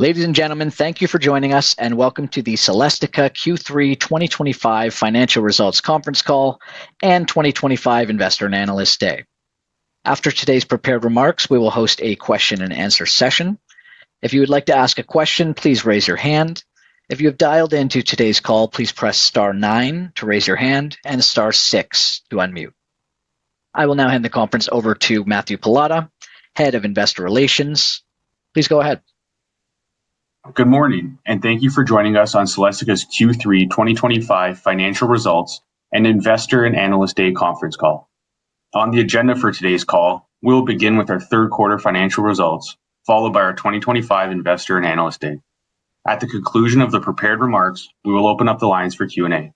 Ladies and gentlemen, thank you for joining us and welcome to the Celestica Q3 2025 financial results conference call and 2025 investor and analyst day. After today's prepared remarks, we will host a question-and-answer session. If you would like to ask a question, please raise your hand. If you have dialed into today's call, please press star nine to raise your hand and star six to unmute. I will now hand the conference over to Matthew Pallotta, Head of Investor Relations. Please go ahead. Good morning and thank you for joining us on Celestica's Q3 2025 financial results and investor and analyst day conference call. On the agenda for today's call, we will begin with our third quarter financial results, followed by our 2025 Investor and analyst day. At the conclusion of the prepared remarks, we will open up the lines for Q&A.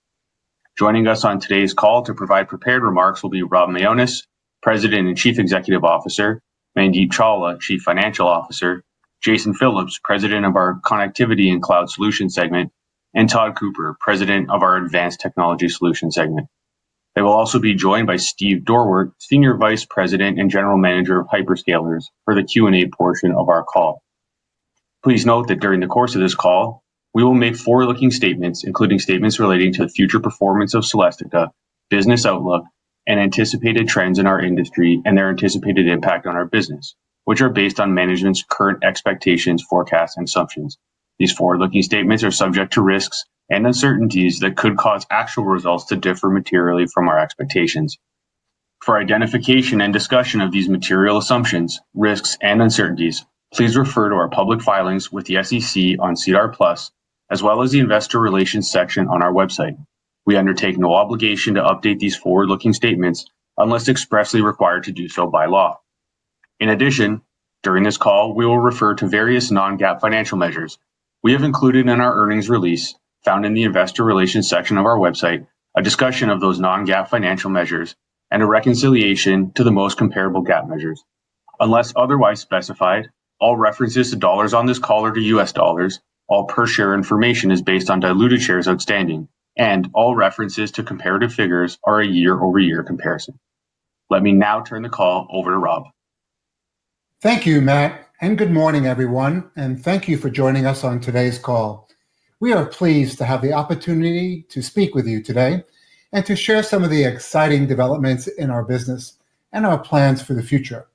Joining us on today's call to provide prepared remarks will be Rob Mionis, President and Chief Executive Officer; Mandeep Chawla, Chief Financial Officer; Jason Phillips, President of our Connectivity and Cloud Solutions segment; and Todd Cooper, President of our Advanced Technology Solutions segment. They will also be joined by Steve Dorwart, Senior Vice President and General Manager of Hyperscalers, for the Q&A portion of our call. Please note that during the course of this call, we will make forward-looking statements, including statements relating to the future performance of Celestica, business outlook, and anticipated trends in our industry and their anticipated impact on our business, which are based on management's current expectations, forecasts, and assumptions. These forward-looking statements are subject to risks and uncertainties that could cause actual results to differ materially from our expectations. For identification and discussion of these material assumptions, risks, and uncertainties, please refer to our public filings with the SEC on SEDAR+, as well as the Investor Relations section on our website. We undertake no obligation to update these forward-looking statements unless expressly required to do so by law. In addition, during this call, we will refer to various non-GAAP financial measures. We have included in our earnings release, found in the Investor Relations section of our website, a discussion of those non-GAAP financial measures and a reconciliation to the most comparable GAAP measures. Unless otherwise specified, all references to dollars on this call are to U.S. dollars, all per share information is based on diluted shares outstanding, and all references to comparative figures are a year-over-year comparison. Let me now turn the call over to Rob. Thank you, Matt, and good morning, everyone, and thank you for joining us on today's call. We are pleased to have the opportunity to speak with you today and to share some of the exciting developments in our business and our plans for the future.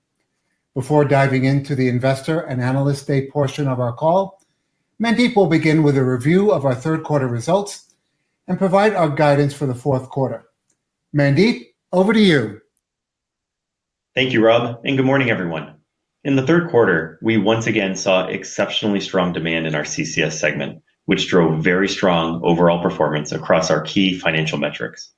Before diving into the investor and analyst day portion of our call, Mandeep will begin with a review of our third quarter results and provide our guidance for the fourth quarter. Mandeep, over to you. Thank you, Rob, and good morning, everyone. In the third quarter, we once again saw exceptionally strong demand in our CCS segment, which drove very strong overall performance across our key financial metrics.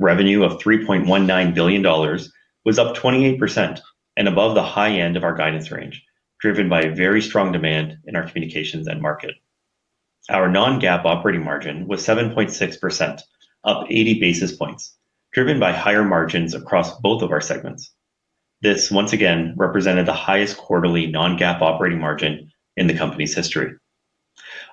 Revenue of $3.19 billion was up 28% and above the high end of our guidance range, driven by very strong demand in our communications end market. Our non-GAAP operating margin was 7.6%, up 80 basis points, driven by higher margins across both of our segments. This once again represented the highest quarterly non-GAAP operating margin in the company's history.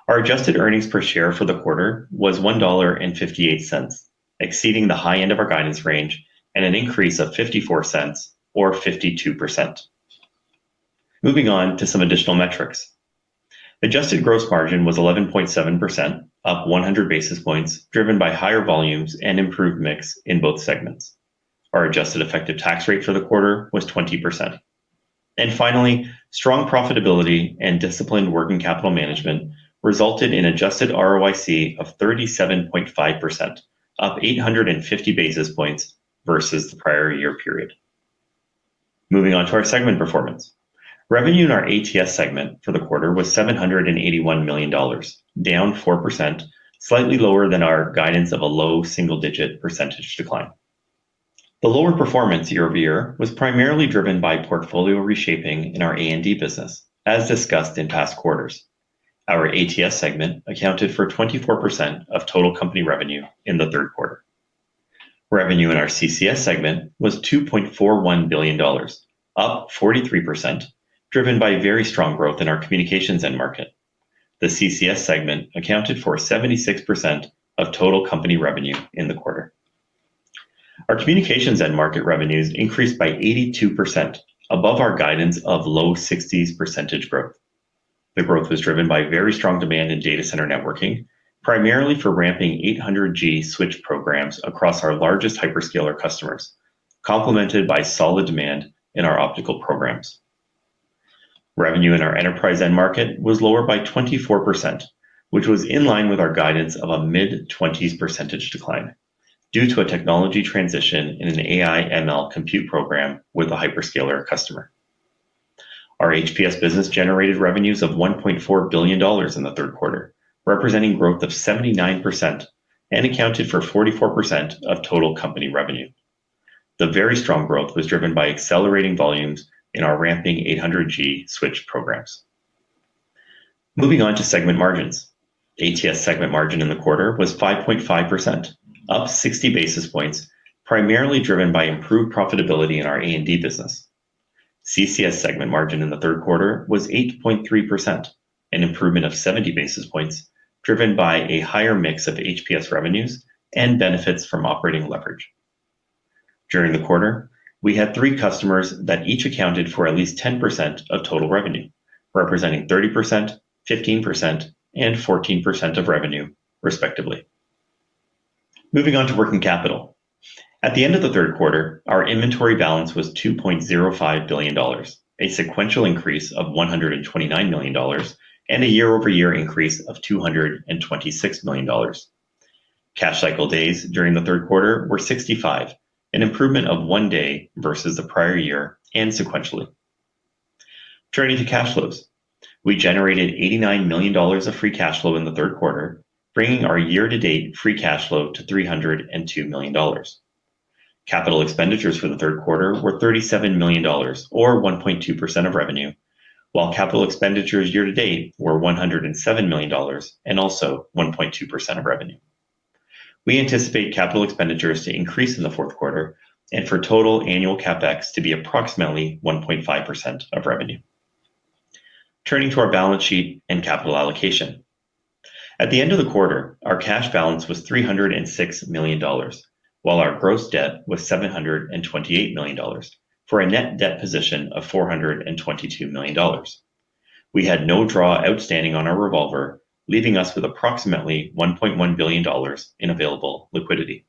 Our adjusted earnings per share for the quarter was $1.58, exceeding the high end of our guidance range and an increase of $0.54, or 52%. Moving on to some additional metrics. Adjusted gross margin was 11.7%, up 100 basis points, driven by higher volumes and improved mix in both segments. Our adjusted effective tax rate for the quarter was 20%. Finally, strong profitability and disciplined working capital management resulted in an adjusted ROIC of 37.5%, up 850 basis points versus the prior year period. Moving on to our segment performance. Revenue in our ATS segment for the quarter was $781 million, down 4%, slightly lower than our guidance of a low single-digit percentage decline. The lower performance year-over-year was primarily driven by portfolio reshaping in our A&D business, as discussed in past quarters. Our ATS segment accounted for 24% of total company revenue in the third quarter. Revenue in our CCS segment was $2.41 billion, up 43%, driven by very strong growth in our communications end market. The CCS segment accounted for 76% of total company revenue in the quarter. Our communications end market revenues increased by 82%, above our guidance of low 60s percentage growth. The growth was driven by very strong demand in data center networking, primarily for ramping 800G switch programs across our largest hyperscaler customers, complemented by solid demand in our optical programs. Revenue in our enterprise end market was lower by 24%, which was in line with our guidance of a mid-20s percentage decline due to a technology transition in an AI/ML compute program with a hyperscaler customer. Our HPS business generated revenues of $1.4 billion in the third quarter, representing growth of 79% and accounted for 44% of total company revenue. The very strong growth was driven by accelerating volumes in our ramping 800G switch programs. Moving on to segment margins. ATS segment margin in the quarter was 5.5%, up 60 basis points, primarily driven by improved profitability in our A&D business. CCS segment margin in the third quarter was 8.3%, an improvement of 70 basis points, driven by a higher mix of HPS revenues and benefits from operating leverage. During the quarter, we had three customers that each accounted for at least 10% of total revenue, representing 30%, 15%, and 14% of revenue, respectively. Moving on to working capital. At the end of the third quarter, our inventory balance was $2.05 billion, a sequential increase of $129 million, and a year-over-year increase of $226 million. Cash cycle days during the third quarter were 65, an improvement of one day versus the prior year and sequentially. Turning to cash flows, we generated $89 million of free cash flow in the third quarter, bringing our year-to-date free cash flow to $302 million. Capital expenditures for the third quarter were $37 million, or 1.2% of revenue, while capital expenditures year-to-date were $107 million and also 1.2% of revenue. We anticipate capital expenditures to increase in the fourth quarter and for total annual CapEx to be approximately 1.5% of revenue. Turning to our balance sheet and capital allocation. At the end of the quarter, our cash balance was $306 million, while our gross debt was $728 million, for a net debt position of $422 million. We had no draw outstanding on our revolver, leaving us with approximately $1.1 billion in available liquidity.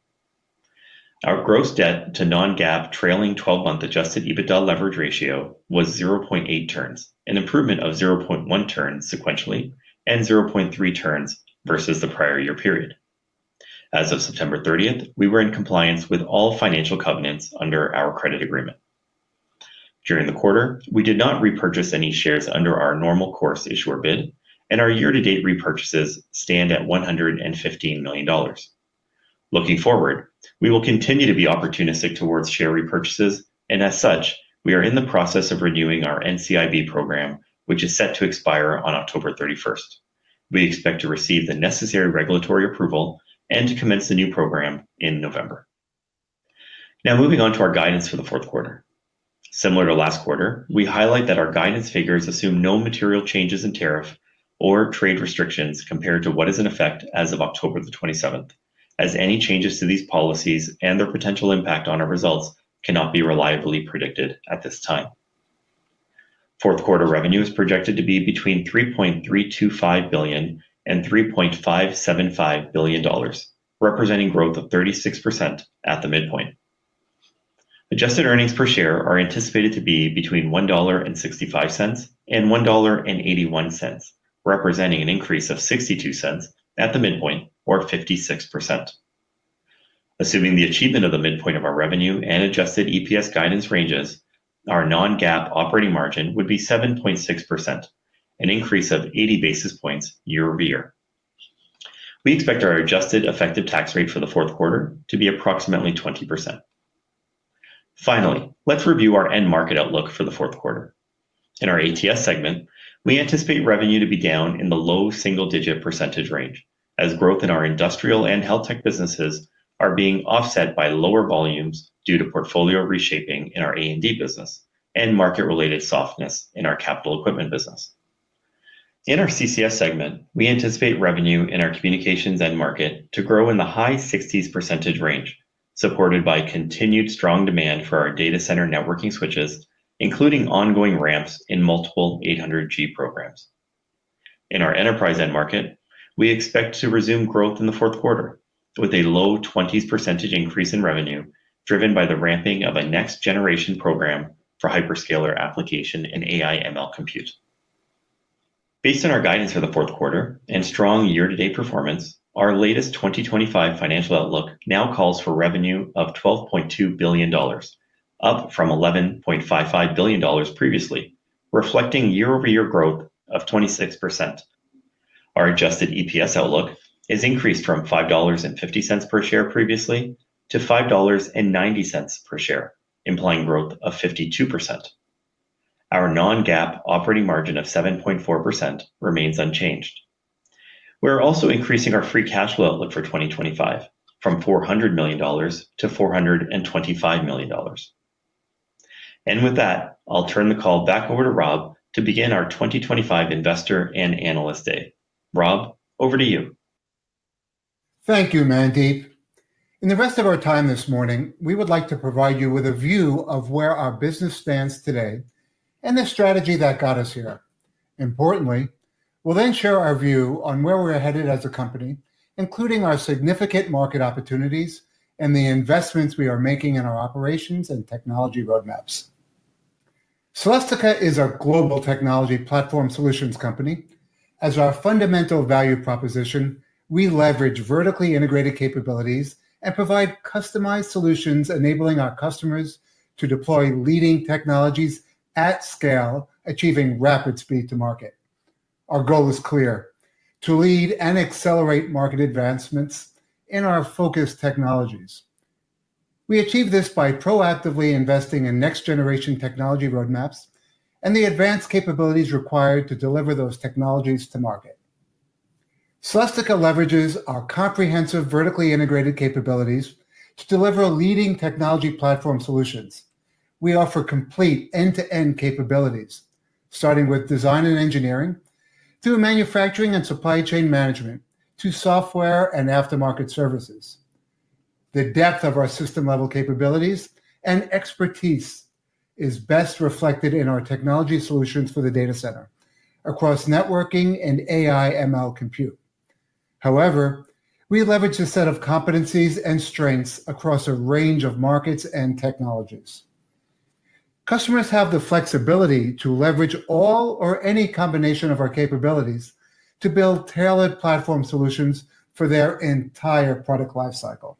Our gross debt to non-GAAP trailing 12-month Adjusted EBITDA leverage ratio was 0.8 turns, an improvement of 0.1 turns sequentially and 0.3 turns versus the prior year period. As of September 30th, we were in compliance with all financial covenants under our credit agreement. During the quarter, we did not repurchase any shares under our normal course issuer bid, and our year-to-date repurchases stand at $115 million. Looking forward, we will continue to be opportunistic towards share repurchases, and as such, we are in the process of renewing our NCIB program, which is set to expire on October 31. We expect to receive the necessary regulatory approval and to commence the new program in November. Now moving on to our guidance for the fourth quarter. Similar to last quarter, we highlight that our guidance figures assume no material changes in tariff or trade restrictions compared to what is in effect as of October 27th, as any changes to these policies and their potential impact on our results cannot be reliably predicted at this time. Fourth quarter revenue is projected to be between $3.325 billion and $3.575 billion, representing growth of 36% at the midpoint. Adjusted earnings per share are anticipated to be between $1.65 and $1.81, representing an increase of $0.62 at the midpoint, or 56%. Assuming the achievement of the midpoint of our revenue and adjusted EPS guidance ranges, our non-GAAP operating margin would be 7.6%, an increase of 80 basis points year-over-year. We expect our adjusted effective tax rate for the fourth quarter to be approximately 20%. Finally, let's review our end market outlook for the fourth quarter. In our ATS segment, we anticipate revenue to be down in the low single-digit percentage range, as growth in our industrial and health tech businesses is being offset by lower volumes due to portfolio reshaping in our A&D business and market-related softness in our capital equipment business. In our CCS segment, we anticipate revenue in our communications and market to grow in the high 60s percentage range, supported by continued strong demand for our data center networking switches, including ongoing ramps in multiple 800G programs. In our enterprise end market, we expect to resume growth in the fourth quarter with a low 20s percentage increase in revenue, driven by the ramping of a next-generation program for hyperscaler application and AI/ML compute. Based on our guidance for the fourth quarter and strong year-to-date performance, our latest 2025 financial outlook now calls for revenue of $12.2 billion, up from $11.55 billion previously, reflecting year-over-year growth of 26%. Our adjusted EPS outlook has increased from $5.50 per share previously to $5.90 per share, implying growth of 52%. Our non-GAAP operating margin of 7.4% remains unchanged. We are also increasing our free cash flow outlook for 2025 from $400 million-$425 million. With that, I'll turn the call back over to Rob to begin our 2025 investor and analyst day. Rob, over to you. Thank you, Mandeep. In the rest of our time this morning, we would like to provide you with a view of where our business stands today and the strategy that got us here. Importantly, we'll then share our view on where we are headed as a company, including our significant market opportunities and the investments we are making in our operations and technology roadmaps. Celestica is a global technology platform solutions company. As our fundamental value proposition, we leverage vertically integrated capabilities and provide customized solutions, enabling our customers to deploy leading technologies at scale, achieving rapid speed to market. Our goal is clear: to lead and accelerate market advancements in our focused technologies. We achieve this by proactively investing in next-generation technology roadmaps and the advanced capabilities required to deliver those technologies to market. Celestica leverages our comprehensive vertically integrated capabilities to deliver leading technology platform solutions. We offer complete end-to-end capabilities, starting with design and engineering through manufacturing and supply chain management to software and aftermarket services. The depth of our system-level capabilities and expertise is best reflected in our technology solutions for the data center across networking and AI/ML compute. However, we leverage a set of competencies and strengths across a range of markets and technologies. Customers have the flexibility to leverage all or any combination of our capabilities to build tailored platform solutions for their entire product lifecycle.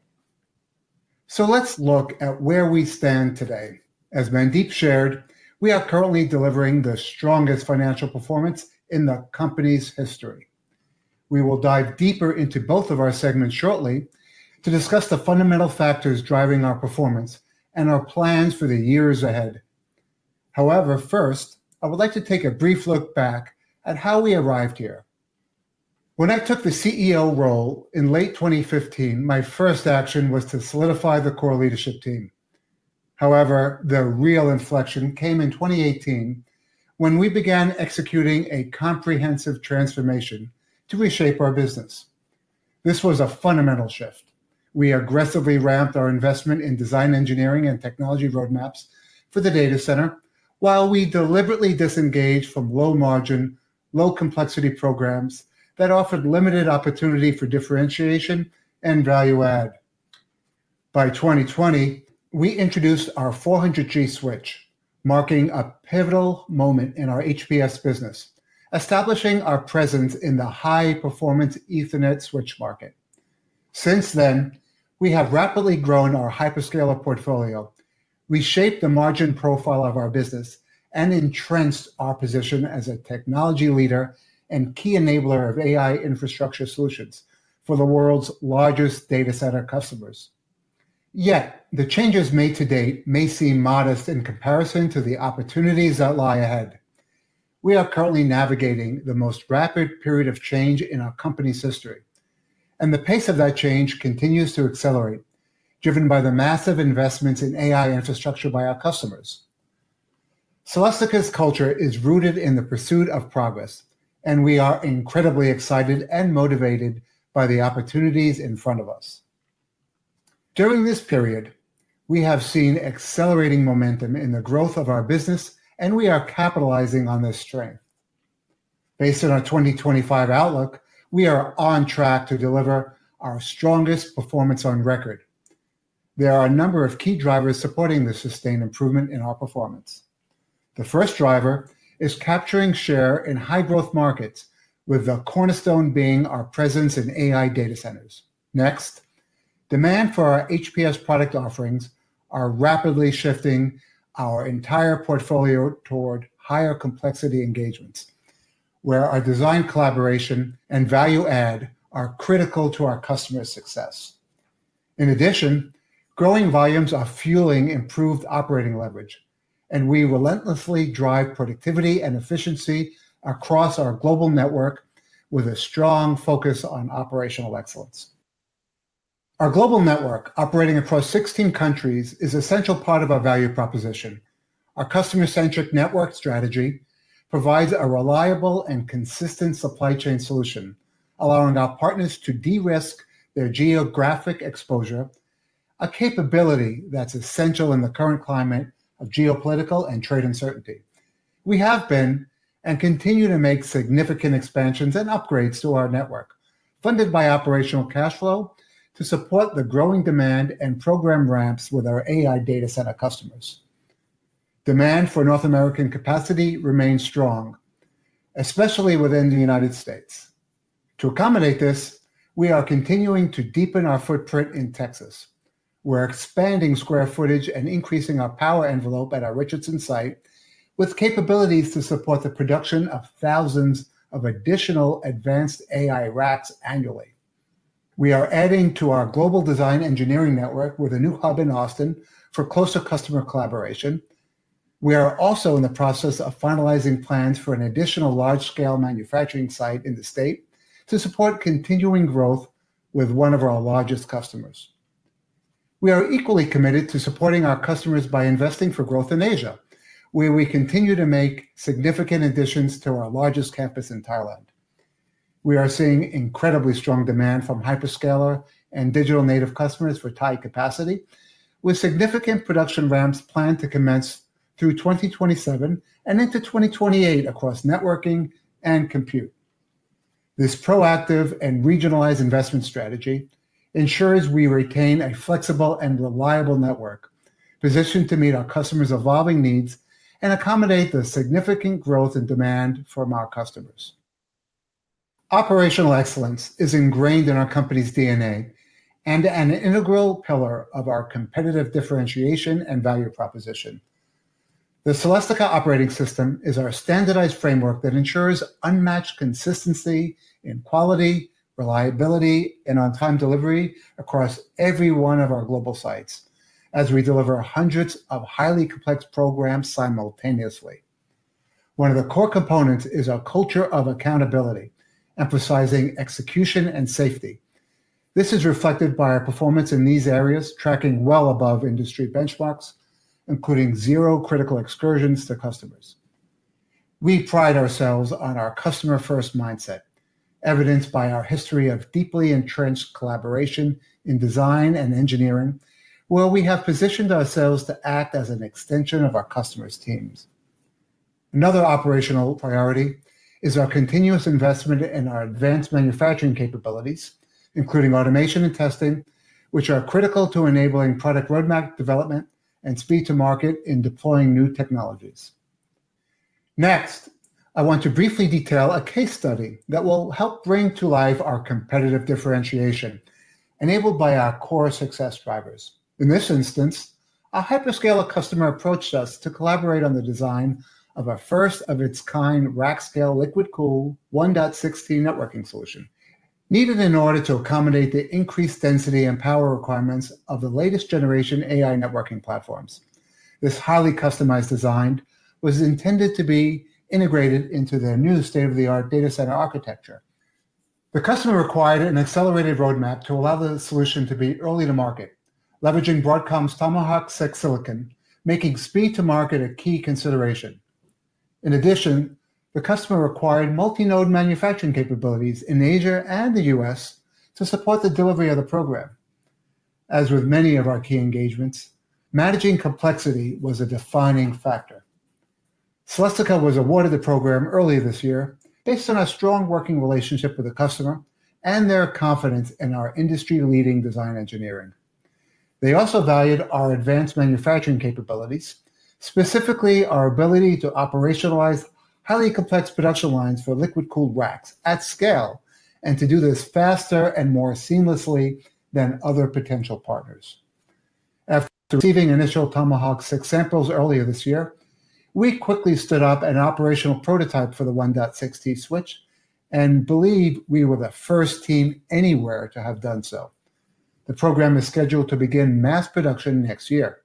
Let's look at where we stand today. As Mandeep shared, we are currently delivering the strongest financial performance in the company's history. We will dive deeper into both of our segments shortly to discuss the fundamental factors driving our performance and our plans for the years ahead. First, I would like to take a brief look back at how we arrived here. When I took the CEO role in late 2015, my first action was to solidify the core leadership team. The real inflection came in 2018 when we began executing a comprehensive transformation to reshape our business. This was a fundamental shift. We aggressively ramped our investment in design, engineering, and technology roadmaps for the data center, while we deliberately disengaged from low-margin, low-complexity programs that offered limited opportunity for differentiation and value add. By 2020, we introduced our 400G switch, marking a pivotal moment in our HPS business, establishing our presence in the high-performance Ethernet switch market. Since then, we have rapidly grown our hyperscaler portfolio, reshaped the margin profile of our business, and entrenched our position as a technology leader and key enabler of AI infrastructure solutions for the world's largest data center customers. Yet, the changes made to date may seem modest in comparison to the opportunities that lie ahead. We are currently navigating the most rapid period of change in our company's history, and the pace of that change continues to accelerate, driven by the massive investments in AI infrastructure by our customers. Celestica's culture is rooted in the pursuit of progress, and we are incredibly excited and motivated by the opportunities in front of us. During this period, we have seen accelerating momentum in the growth of our business, and we are capitalizing on this strength. Based on our 2025 outlook, we are on track to deliver our strongest performance on record. There are a number of key drivers supporting the sustained improvement in our performance. The first driver is capturing share in high-growth markets, with the cornerstone being our presence in AI data centers. Next, demand for our HPS product offerings is rapidly shifting our entire portfolio toward higher complexity engagements, where our design collaboration and value add are critical to our customer success. In addition, growing volumes are fueling improved operating leverage, and we relentlessly drive productivity and efficiency across our global network with a strong focus on operational excellence. Our global network operating across 16 countries is an essential part of our value proposition. Our customer-centric network strategy provides a reliable and consistent supply chain solution, allowing our partners to de-risk their geographic exposure, a capability that's essential in the current climate of geopolitical and trade uncertainty. We have been and continue to make significant expansions and upgrades to our network, funded by operational cash flow, to support the growing demand and program ramps with our AI data center customers. Demand for North American capacity remains strong, especially within the United States. To accommodate this, we are continuing to deepen our footprint in Texas. We're expanding square footage and increasing our power envelope at our Richardson site, with capabilities to support the production of thousands of additional advanced AI racks annually. We are adding to our global design engineering network with a new hub in Austin for closer customer collaboration. We are also in the process of finalizing plans for an additional large-scale manufacturing site in the state to support continuing growth with one of our largest customers. We are equally committed to supporting our customers by investing for growth in Asia, where we continue to make significant additions to our largest campus in Thailand. We are seeing incredibly strong demand from hyperscaler and digital native customers for Thai capacity, with significant production ramps planned to commence through 2027 and into 2028 across networking and compute. This proactive and regionalized investment strategy ensures we retain a flexible and reliable network positioned to meet our customers' evolving needs and accommodate the significant growth in demand from our customers. Operational excellence is ingrained in our company's DNA and an integral pillar of our competitive differentiation and value proposition. The Celestica operating system is our standardized framework that ensures unmatched consistency in quality, reliability, and on-time delivery across every one of our global sites, as we deliver hundreds of highly complex programs simultaneously. One of the core components is our culture of accountability, emphasizing execution and safety. This is reflected by our performance in these areas, tracking well above industry benchmarks, including zero critical excursions to customers. We pride ourselves on our customer-first mindset, evidenced by our history of deeply entrenched collaboration in design and engineering, where we have positioned ourselves to act as an extension of our customers' teams. Another operational priority is our continuous investment in our advanced manufacturing capabilities, including automation and testing, which are critical to enabling product roadmap development and speed to market in deploying new technologies. Next, I want to briefly detail a case study that will help bring to life our competitive differentiation, enabled by our core success drivers. In this instance, a hyperscaler customer approached us to collaborate on the design of our first-of-its-kind rack-scale liquid-cool 1.6T networking solution, needed in order to accommodate the increased density and power requirements of the latest generation AI networking platforms. This highly customized design was intended to be integrated into their new state-of-the-art data center architecture. The customer required an accelerated roadmap to allow the solution to be early to market, leveraging Broadcom's Tomahawk 6 silicon, making speed to market a key consideration. In addition, the customer required multi-node manufacturing capabilities in Asia and the U.S. to support the delivery of the program. As with many of our key engagements, managing complexity was a defining factor. Celestica was awarded the program earlier this year based on a strong working relationship with the customer and their confidence in our industry-leading design engineering. They also valued our advanced manufacturing capabilities, specifically our ability to operationalize highly complex production lines for liquid-cooled racks at scale and to do this faster and more seamlessly than other potential partners. After receiving initial Tomahawk 6 samples earlier this year, we quickly stood up an operational prototype for the 1.6T switch and believe we were the first team anywhere to have done so. The program is scheduled to begin mass production next year.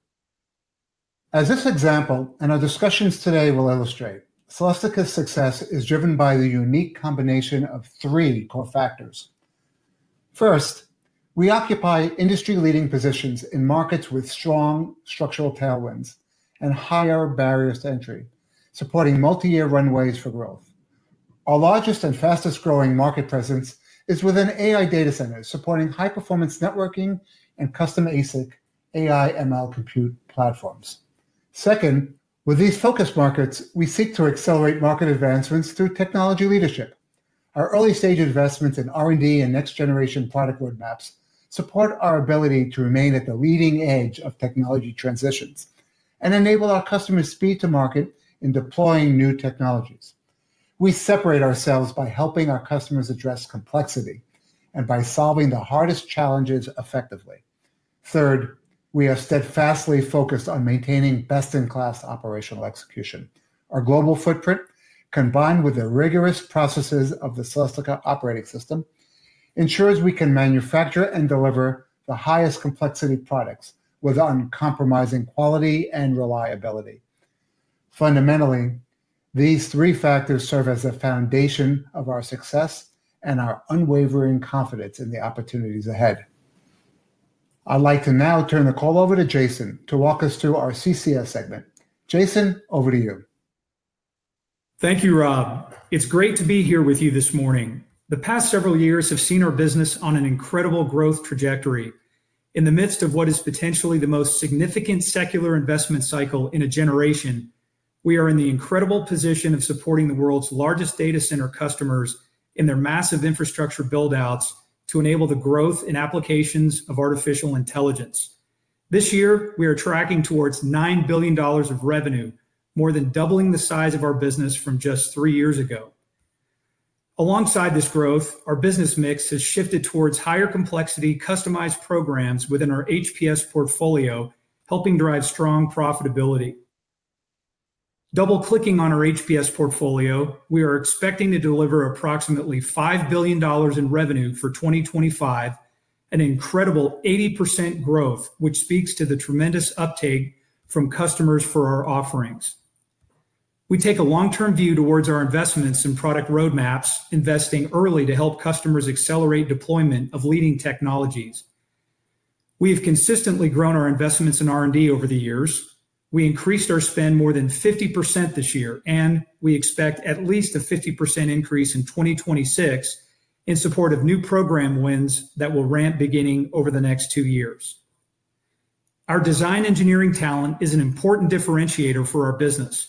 As this example and our discussions today will illustrate, Celestica's success is driven by the unique combination of three core factors. First, we occupy industry-leading positions in markets with strong structural tailwinds and higher barriers to entry, supporting multi-year runways for growth. Our largest and fastest growing market presence is within AI data centers, supporting high-performance networking and custom ASIC AI/ML compute platforms. Second, with these focused markets, we seek to accelerate market advancements through technology leadership. Our early-stage investments in R&D and next-generation product roadmaps support our ability to remain at the leading edge of technology transitions and enable our customers' speed to market in deploying new technologies. We separate ourselves by helping our customers address complexity and by solving the hardest challenges effectively. Third, we are steadfastly focused on maintaining best-in-class operational execution. Our global footprint, combined with the rigorous processes of the Celestica operating system, ensures we can manufacture and deliver the highest complexity products with uncompromising quality and reliability. Fundamentally, these three factors serve as the foundation of our success and our unwavering confidence in the opportunities ahead. I'd like to now turn the call over to Jason to walk us through our CCS segment. Jason, over to you. Thank you, Rob. It's great to be here with you this morning. The past several years have seen our business on an incredible growth trajectory. In the midst of what is potentially the most significant secular investment cycle in a generation, we are in the incredible position of supporting the world's largest data center customers in their massive infrastructure buildouts to enable the growth in applications of artificial intelligence. This year, we are tracking towards $9 billion of revenue, more than doubling the size of our business from just three years ago. Alongside this growth, our business mix has shifted towards higher complexity customized programs within our HPS portfolio, helping drive strong profitability. Double-clicking on our HPS portfolio, we are expecting to deliver approximately $5 billion in revenue for 2025, an incredible 80% growth, which speaks to the tremendous uptake from customers for our offerings. We take a long-term view towards our investments in product roadmaps, investing early to help customers accelerate deployment of leading technologies. We have consistently grown our investments in R&D over the years. We increased our spend more than 50% this year, and we expect at least a 50% increase in 2026 in support of new program wins that will ramp beginning over the next two years. Our design engineering talent is an important differentiator for our business.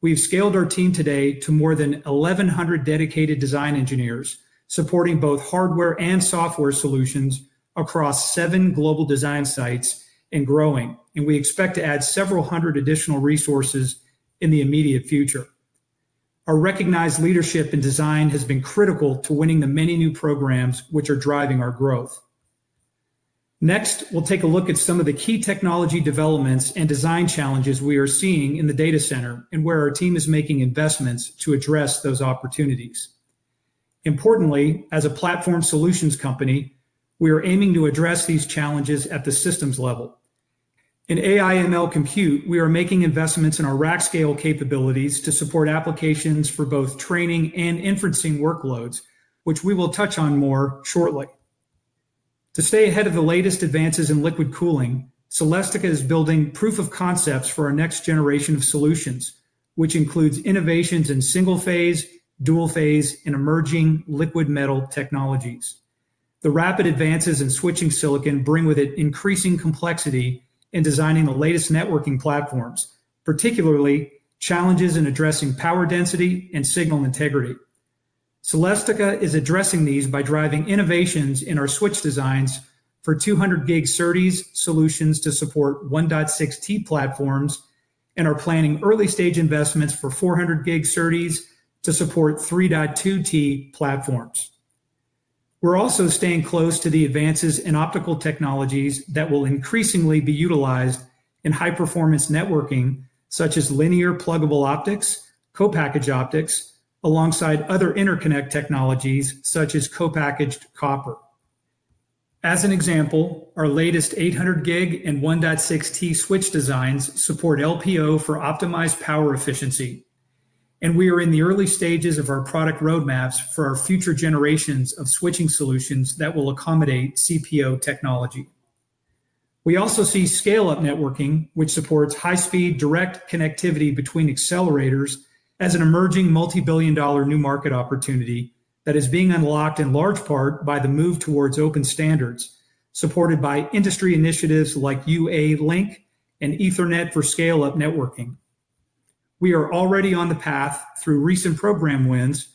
We have scaled our team today to more than 1,100 dedicated design engineers supporting both hardware and software solutions across seven global design sites and growing, and we expect to add several hundred additional resources in the immediate future. Our recognized leadership in design has been critical to winning the many new programs which are driving our growth. Next, we'll take a look at some of the key technology developments and design challenges we are seeing in the data center and where our team is making investments to address those opportunities. Importantly, as a platform solutions company, we are aiming to address these challenges at the systems level. In AI/ML compute, we are making investments in our rack-scale capabilities to support applications for both training and inferencing workloads, which we will touch on more shortly. To stay ahead of the latest advances in liquid cooling, Celestica is building proof of concepts for our next generation of solutions, which includes innovations in single-phase, dual-phase, and emerging liquid metal technologies. The rapid advances in switching silicon bring with it increasing complexity in designing the latest networking platforms, particularly challenges in addressing power density and signal integrity. Celestica is addressing these by driving innovations in our switch designs for 200G SERDES solutions to support 1.6T platforms and are planning early-stage investments for 400G SERDES to support 3.2T platforms. We're also staying close to the advances in optical technologies that will increasingly be utilized in high-performance networking, such as linear pluggable optics, co-packaged optics, alongside other interconnect technologies such as co-packaged copper. As an example, our latest 800G and 1.6T switch designs support LPO for optimized power efficiency, and we are in the early stages of our product roadmaps for our future generations of switching solutions that will accommodate CPO technology. We also see scale-up networking, which supports high-speed direct connectivity between accelerators, as an emerging multi-billion dollar new market opportunity that is being unlocked in large part by the move towards open standards, supported by industry initiatives like UA Link and Ethernet for scale-up networking. We are already on the path through recent program wins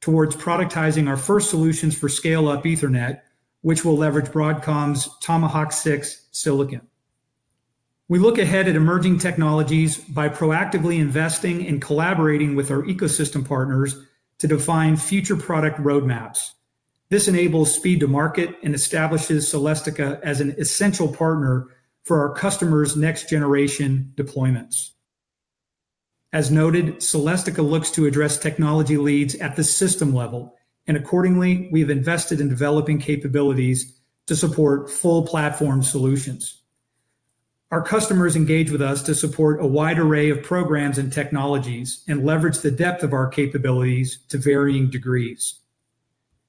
towards productizing our first solutions for scale-up Ethernet, which will leverage Broadcom's Tomahawk 6 silicon. We look ahead at emerging technologies by proactively investing and collaborating with our ecosystem partners to define future product roadmaps. This enables speed to market and establishes Celestica as an essential partner for our customers' next-generation deployments. As noted, Celestica looks to address technology leads at the system level, and accordingly, we've invested in developing capabilities to support full platform solutions. Our customers engage with us to support a wide array of programs and technologies and leverage the depth of our capabilities to varying degrees.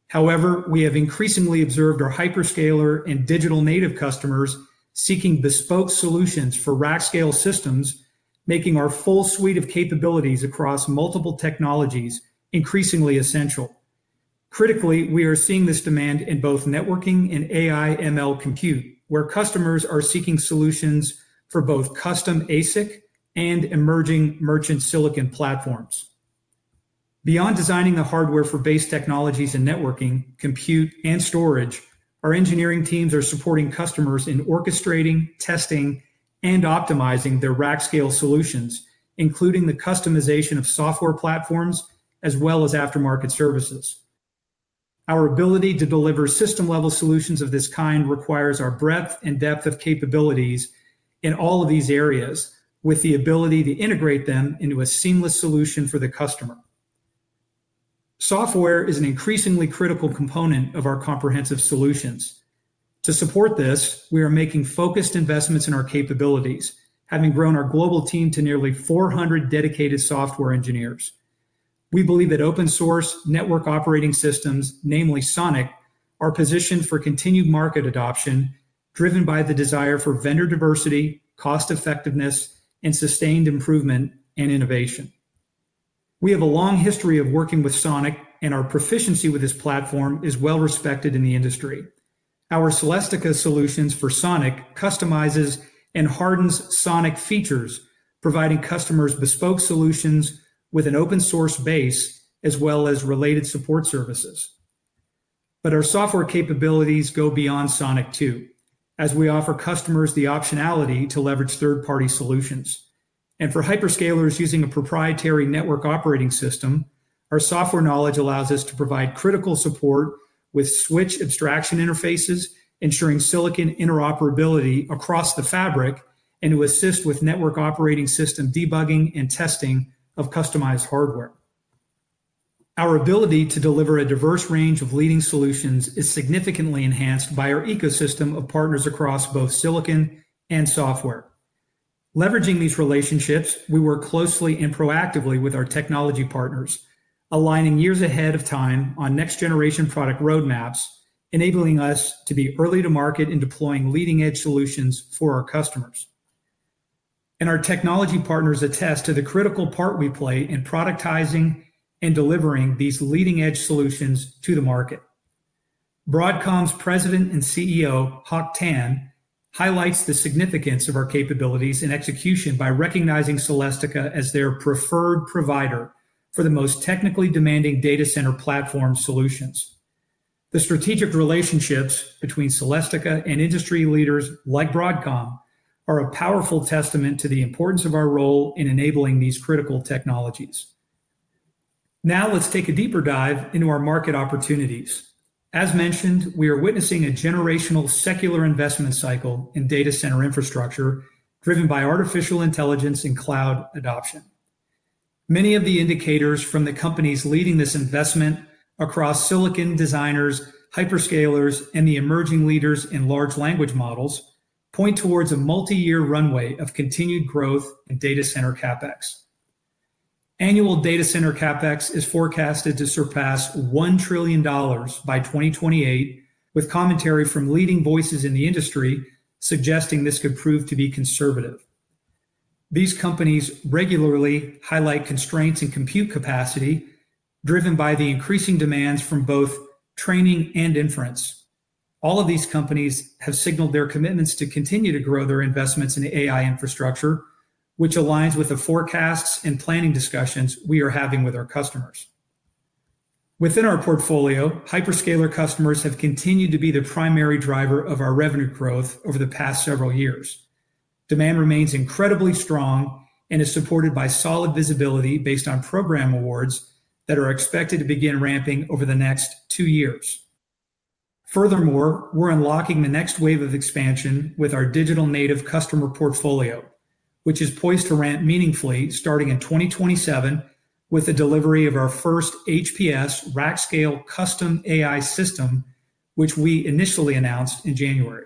However, we have increasingly observed our hyperscaler and digital native customers seeking bespoke solutions for rack-scale systems, making our full suite of capabilities across multiple technologies increasingly essential. Critically, we are seeing this demand in both networking and AI/ML compute, where customers are seeking solutions for both custom ASIC and emerging merchant silicon platforms. Beyond designing the hardware for base technologies and networking, compute, and storage, our engineering teams are supporting customers in orchestrating, testing, and optimizing their rack-scale solutions, including the customization of software platforms as well as aftermarket services. Our ability to deliver system-level solutions of this kind requires our breadth and depth of capabilities in all of these areas, with the ability to integrate them into a seamless solution for the customer. Software is an increasingly critical component of our comprehensive solutions. To support this, we are making focused investments in our capabilities, having grown our global team to nearly 400 dedicated software engineers. We believe that open-source network operating systems, namely Sonic, are positioned for continued market adoption, driven by the desire for vendor diversity, cost effectiveness, and sustained improvement and innovation. We have a long history of working with Sonic, and our proficiency with this platform is well respected in the industry. Our Celestica solutions for Sonic customize and harden Sonic features, providing customers bespoke solutions with an open-source base as well as related support services. Our software capabilities go beyond Sonic too, as we offer customers the optionality to leverage third-party solutions. For hyperscalers using a proprietary network operating system, our software knowledge allows us to provide critical support with switch abstraction interfaces, ensuring silicon interoperability across the fabric, and to assist with network operating system debugging and testing of customized hardware. Our ability to deliver a diverse range of leading solutions is significantly enhanced by our ecosystem of partners across both silicon and software. Leveraging these relationships, we work closely and proactively with our technology partners, aligning years ahead of time on next-generation product roadmaps, enabling us to be early to market in deploying leading-edge solutions for our customers. Our technology partners attest to the critical part we play in productizing and delivering these leading-edge solutions to the market. Broadcom's President and CEO, Hock Tan, highlights the significance of our capabilities in execution by recognizing Celestica as their preferred provider for the most technically demanding data center platform solutions. The strategic relationships between Celestica and industry leaders like Broadcom are a powerful testament to the importance of our role in enabling these critical technologies. Now let's take a deeper dive into our market opportunities. As mentioned, we are witnessing a generational secular investment cycle in data center infrastructure, driven by artificial intelligence and cloud adoption. Many of the indicators from the companies leading this investment across silicon designers, hyperscalers, and the emerging leaders in large language models point towards a multi-year runway of continued growth in data center CapEx. Annual data center CapEx is forecasted to surpass $1 trillion by 2028, with commentary from leading voices in the industry suggesting this could prove to be conservative. These companies regularly highlight constraints in compute capacity, driven by the increasing demands from both training and inference. All of these companies have signaled their commitments to continue to grow their investments in AI infrastructure, which aligns with the forecasts and planning discussions we are having with our customers. Within our portfolio, hyperscaler customers have continued to be the primary driver of our revenue growth over the past several years. Demand remains incredibly strong and is supported by solid visibility based on program awards that are expected to begin ramping over the next two years. Furthermore, we're unlocking the next wave of expansion with our digital native customer portfolio, which is poised to ramp meaningfully starting in 2027 with the delivery of our first HPS rack-scale custom AI system, which we initially announced in January.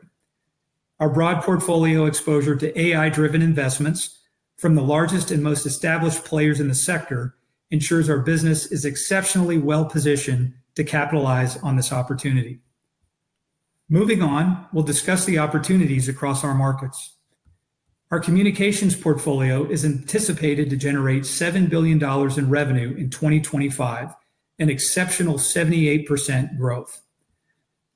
Our broad portfolio exposure to AI-driven investments from the largest and most established players in the sector ensures our business is exceptionally well positioned to capitalize on this opportunity. Moving on, we'll discuss the opportunities across our markets. Our communications portfolio is anticipated to generate $7 billion in revenue in 2025, an exceptional 78% growth.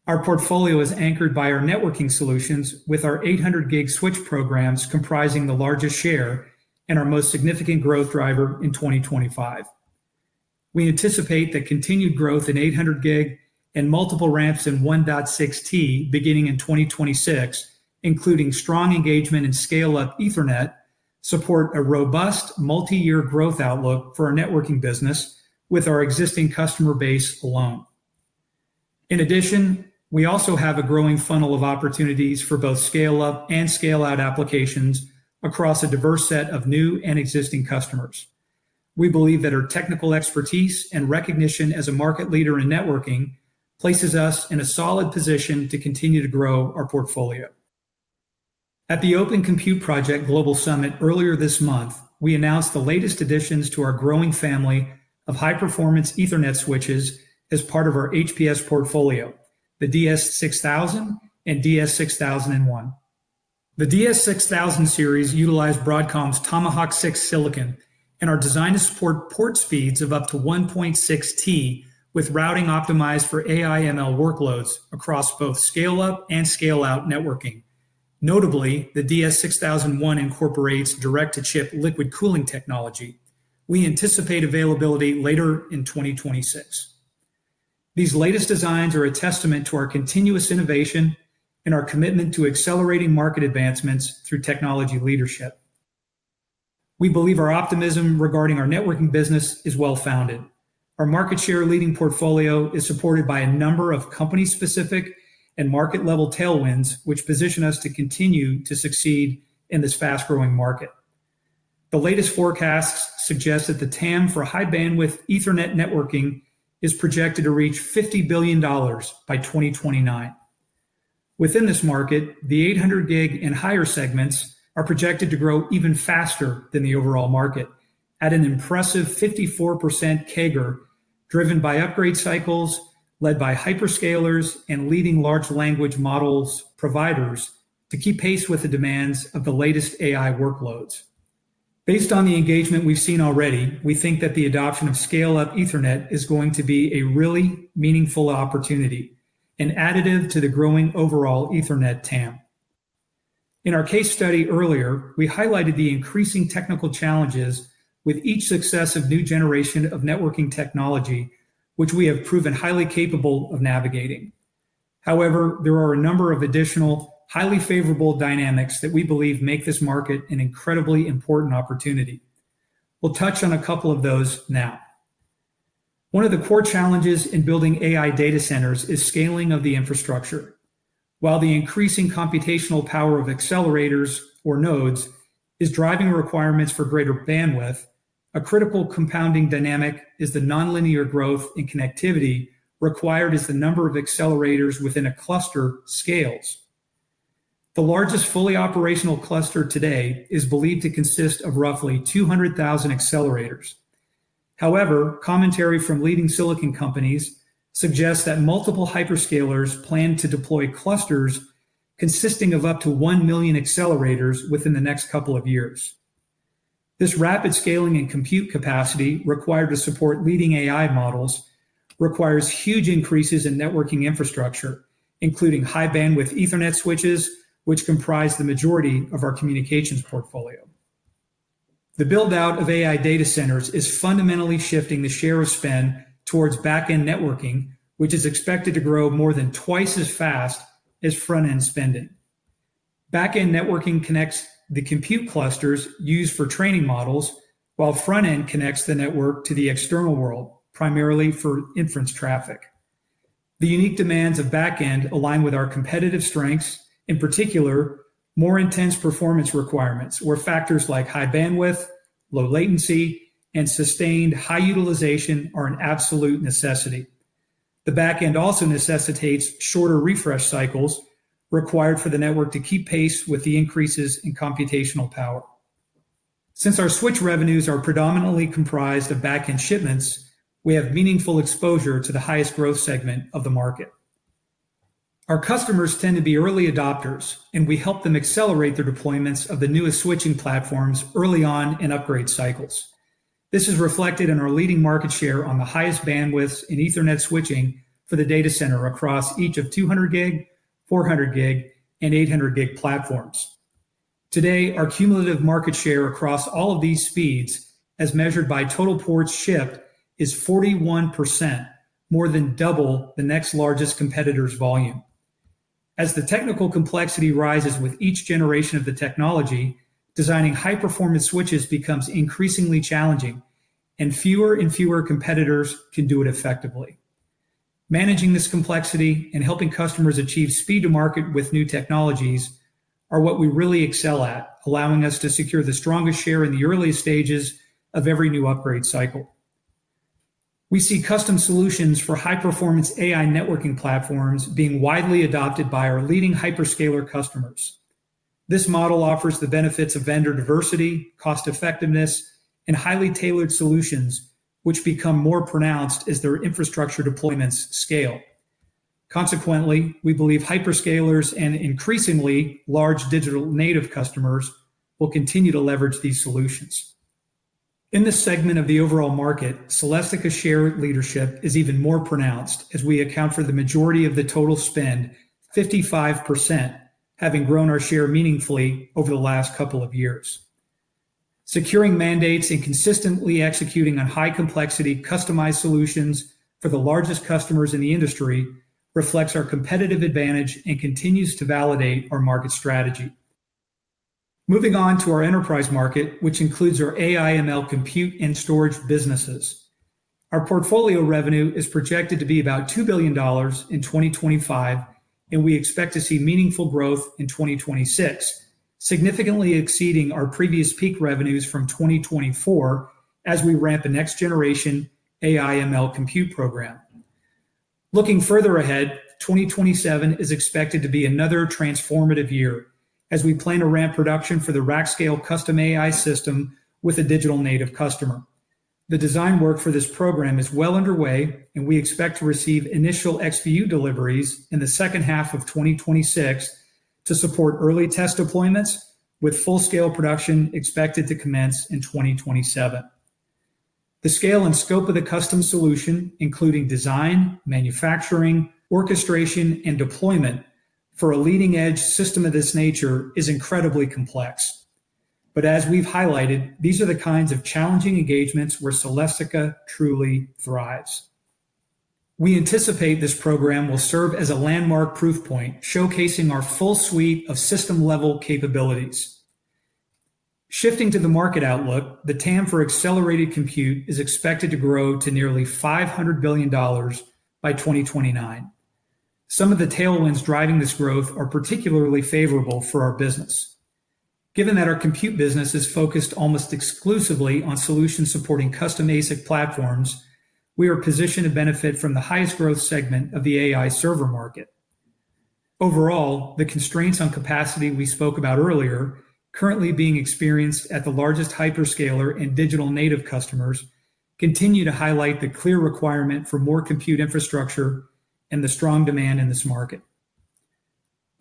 Our portfolio is anchored by our networking solutions, with our 800G switch programs comprising the largest share and our most significant growth driver in 2025. We anticipate that continued growth in 800G and multiple ramps in 1.6T beginning in 2026, including strong engagement in scale-up Ethernet, support a robust multi-year growth outlook for our networking business with our existing customer base alone. In addition, we also have a growing funnel of opportunities for both scale-up and scale-out applications across a diverse set of new and existing customers. We believe that our technical expertise and recognition as a market leader in networking places us in a solid position to continue to grow our portfolio. At the Open Compute Project Global Summit earlier this month, we announced the latest additions to our growing family of high-performance Ethernet switches as part of our HPS portfolio, the DS6000 and DS6001. The DS6000 series utilize Broadcom's Tomahawk 6 silicon and are designed to support port speeds of up to 1.6T, with routing optimized for AI/ML workloads across both scale-up and scale-out networking. Notably, the DS6001 incorporates direct-to-chip liquid cooling technology. We anticipate availability later in 2026. These latest designs are a testament to our continuous innovation and our commitment to accelerating market advancements through technology leadership. We believe our optimism regarding our networking business is well-founded. Our market share leading portfolio is supported by a number of company-specific and market-level tailwinds, which position us to continue to succeed in this fast-growing market. The latest forecasts suggest that the TAM for high-bandwidth Ethernet networking is projected to reach $50 billion by 2029. Within this market, the 800G and higher segments are projected to grow even faster than the overall market, at an impressive 54% CAGR, driven by upgrade cycles led by hyperscalers and leading large language models providers to keep pace with the demands of the latest AI workloads. Based on the engagement we've seen already, we think that the adoption of scale-up Ethernet is going to be a really meaningful opportunity, an additive to the growing overall Ethernet TAM. In our case study earlier, we highlighted the increasing technical challenges with each successive new generation of networking technology, which we have proven highly capable of navigating. However, there are a number of additional highly favorable dynamics that we believe make this market an incredibly important opportunity. We'll touch on a couple of those now. One of the core challenges in building AI data centers is scaling of the infrastructure. While the increasing computational power of accelerators, or nodes, is driving requirements for greater bandwidth, a critical compounding dynamic is the nonlinear growth in connectivity required as the number of accelerators within a cluster scales. The largest fully operational cluster today is believed to consist of roughly 200,000 accelerators. However, commentary from leading silicon companies suggests that multiple hyperscalers plan to deploy clusters consisting of up to 1 million accelerators within the next couple of years. This rapid scaling and compute capacity required to support leading AI models requires huge increases in networking infrastructure, including high-bandwidth Ethernet switches, which comprise the majority of our communications portfolio. The buildout of AI data centers is fundamentally shifting the share of spend towards backend networking, which is expected to grow more than twice as fast as frontend spending. Backend networking connects the compute clusters used for training models, while frontend connects the network to the external world, primarily for inference traffic. The unique demands of backend align with our competitive strengths, in particular, more intense performance requirements, where factors like high bandwidth, low latency, and sustained high utilization are an absolute necessity. The backend also necessitates shorter refresh cycles required for the network to keep pace with the increases in computational power. Since our switch revenues are predominantly comprised of backend shipments, we have meaningful exposure to the highest growth segment of the market. Our customers tend to be early adopters, and we help them accelerate their deployments of the newest switching platforms early on in upgrade cycles. This is reflected in our leading market share on the highest bandwidths in Ethernet switching for the data center across each of 200G, 400G, and 800G platforms. Today, our cumulative market share across all of these speeds, as measured by total ports shipped, is 41%, more than double the next largest competitor's volume. As the technical complexity rises with each generation of the technology, designing high-performance switches becomes increasingly challenging, and fewer and fewer competitors can do it effectively. Managing this complexity and helping customers achieve speed to market with new technologies are what we really excel at, allowing us to secure the strongest share in the earliest stages of every new upgrade cycle. We see custom solutions for high-performance AI networking platforms being widely adopted by our leading hyperscaler customers. This model offers the benefits of vendor diversity, cost effectiveness, and highly tailored solutions, which become more pronounced as their infrastructure deployments scale. Consequently, we believe hyperscalers and increasingly large digital native customers will continue to leverage these solutions. In this segment of the overall market, Celestica's share leadership is even more pronounced as we account for the majority of the total spend, 55%, having grown our share meaningfully over the last couple of years. Securing mandates and consistently executing on high-complexity customized solutions for the largest customers in the industry reflects our competitive advantage and continues to validate our market strategy. Moving on to our enterprise market, which includes our AI/ML compute and storage businesses. Our portfolio revenue is projected to be about $2 billion in 2025, and we expect to see meaningful growth in 2026, significantly exceeding our previous peak revenues from 2024 as we ramp a next-generation AI/ML compute program. Looking further ahead, 2027 is expected to be another transformative year as we plan to ramp production for the rack-scale custom AI system with a digital native customer. The design work for this program is well underway, and we expect to receive initial XPU deliveries in the second half of 2026 to support early test deployments, with full-scale production expected to commence in 2027. The scale and scope of the custom solution, including design, manufacturing, orchestration, and deployment for a leading-edge system of this nature, is incredibly complex. As we've highlighted, these are the kinds of challenging engagements where Celestica truly thrives. We anticipate this program will serve as a landmark proof point, showcasing our full suite of system-level capabilities. Shifting to the market outlook, the TAM for accelerated compute is expected to grow to nearly $500 billion by 2029. Some of the tailwinds driving this growth are particularly favorable for our business. Given that our compute business is focused almost exclusively on solutions supporting custom ASIC platforms, we are positioned to benefit from the highest growth segment of the AI server market. Overall, the constraints on capacity we spoke about earlier, currently being experienced at the largest hyperscaler and digital native customers, continue to highlight the clear requirement for more compute infrastructure and the strong demand in this market.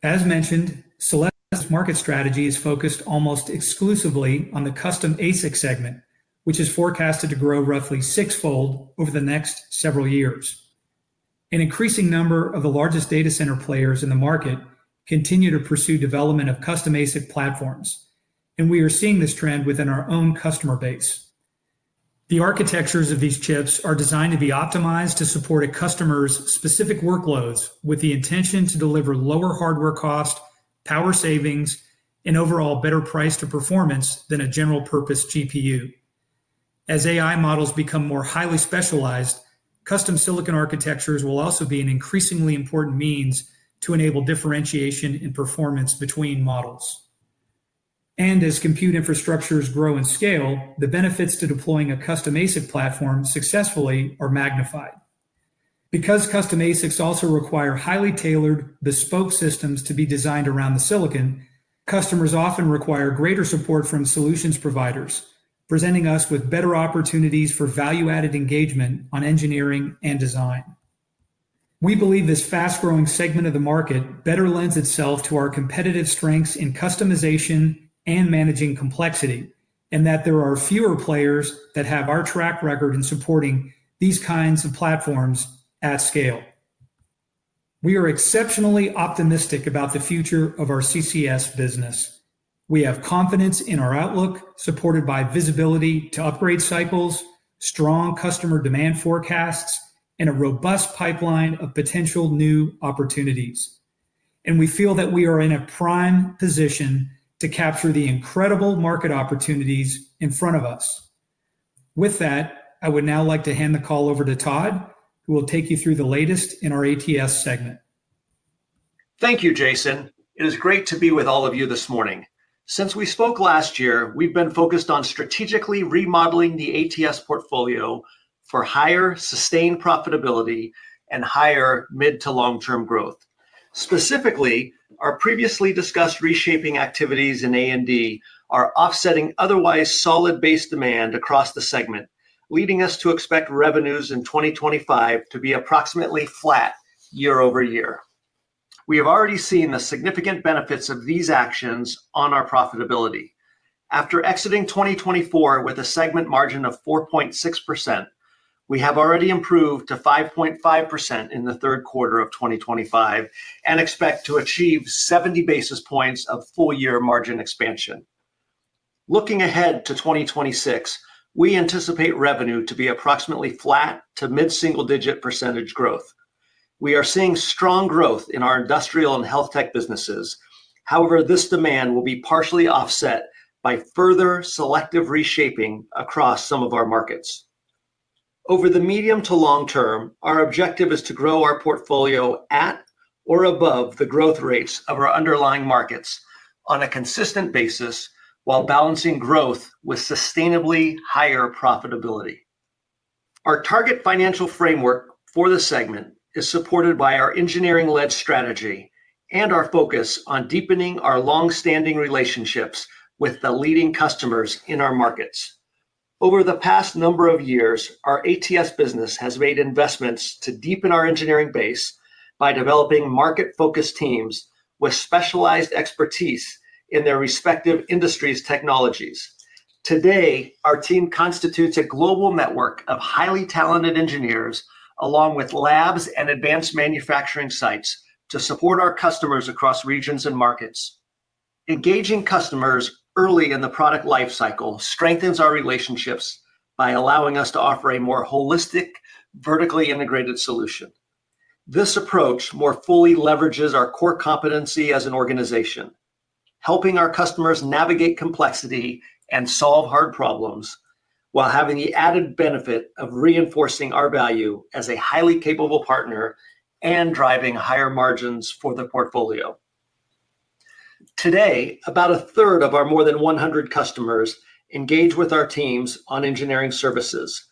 As mentioned, Celestica's market strategy is focused almost exclusively on the custom ASIC segment, which is forecasted to grow roughly six-fold over the next several years. An increasing number of the largest data center players in the market continue to pursue development of custom ASIC platforms, and we are seeing this trend within our own customer base. The architectures of these chips are designed to be optimized to support a customer's specific workloads with the intention to deliver lower hardware cost, power savings, and overall better price to performance than a general-purpose GPU. As AI models become more highly specialized, custom silicon architectures will also be an increasingly important means to enable differentiation in performance between models. As compute infrastructures grow in scale, the benefits to deploying a custom ASIC platform successfully are magnified. Because custom ASICs also require highly tailored bespoke systems to be designed around the silicon, customers often require greater support from solutions providers, presenting us with better opportunities for value-added engagement on engineering and design. We believe this fast-growing segment of the market better lends itself to our competitive strengths in customization and managing complexity, and that there are fewer players that have our track record in supporting these kinds of platforms at scale. We are exceptionally optimistic about the future of our CCS business. We have confidence in our outlook, supported by visibility to upgrade cycles, strong customer demand forecasts, and a robust pipeline of potential new opportunities. We feel that we are in a prime position to capture the incredible market opportunities in front of us. With that, I would now like to hand the call over to Todd, who will take you through the latest in our ATS segment. Thank you, Jason. It is great to be with all of you this morning. Since we spoke last year, we've been focused on strategically remodeling the ATS portfolio for higher, sustained profitability and higher mid-to-long-term growth. Specifically, our previously discussed reshaping activities in A&D are offsetting otherwise solid base demand across the segment, leading us to expect revenues in 2025 to be approximately flat year-over-year. We have already seen the significant benefits of these actions on our profitability. After exiting 2024 with a segment margin of 4.6%, we have already improved to 5.5% in the third quarter of 2025 and expect to achieve 70 basis points of full-year margin expansion. Looking ahead to 2026, we anticipate revenue to be approximately flat to mid-single-digit percentage growth. We are seeing strong growth in our industrial and health tech businesses. However, this demand will be partially offset by further selective reshaping across some of our markets. Over the medium to long term, our objective is to grow our portfolio at or above the growth rates of our underlying markets on a consistent basis, while balancing growth with sustainably higher profitability. Our target financial framework for the segment is supported by our engineering-led strategy and our focus on deepening our longstanding relationships with the leading customers in our markets. Over the past number of years, our ATS business has made investments to deepen our engineering base by developing market-focused teams with specialized expertise in their respective industries' technologies. Today, our team constitutes a global network of highly talented engineers, along with labs and advanced manufacturing sites to support our customers across regions and markets. Engaging customers early in the product lifecycle strengthens our relationships by allowing us to offer a more holistic, vertically integrated solution. This approach more fully leverages our core competency as an organization, helping our customers navigate complexity and solve hard problems, while having the added benefit of reinforcing our value as a highly capable partner and driving higher margins for the portfolio. Today, about a third of our more than 100 customers engage with our teams on engineering services,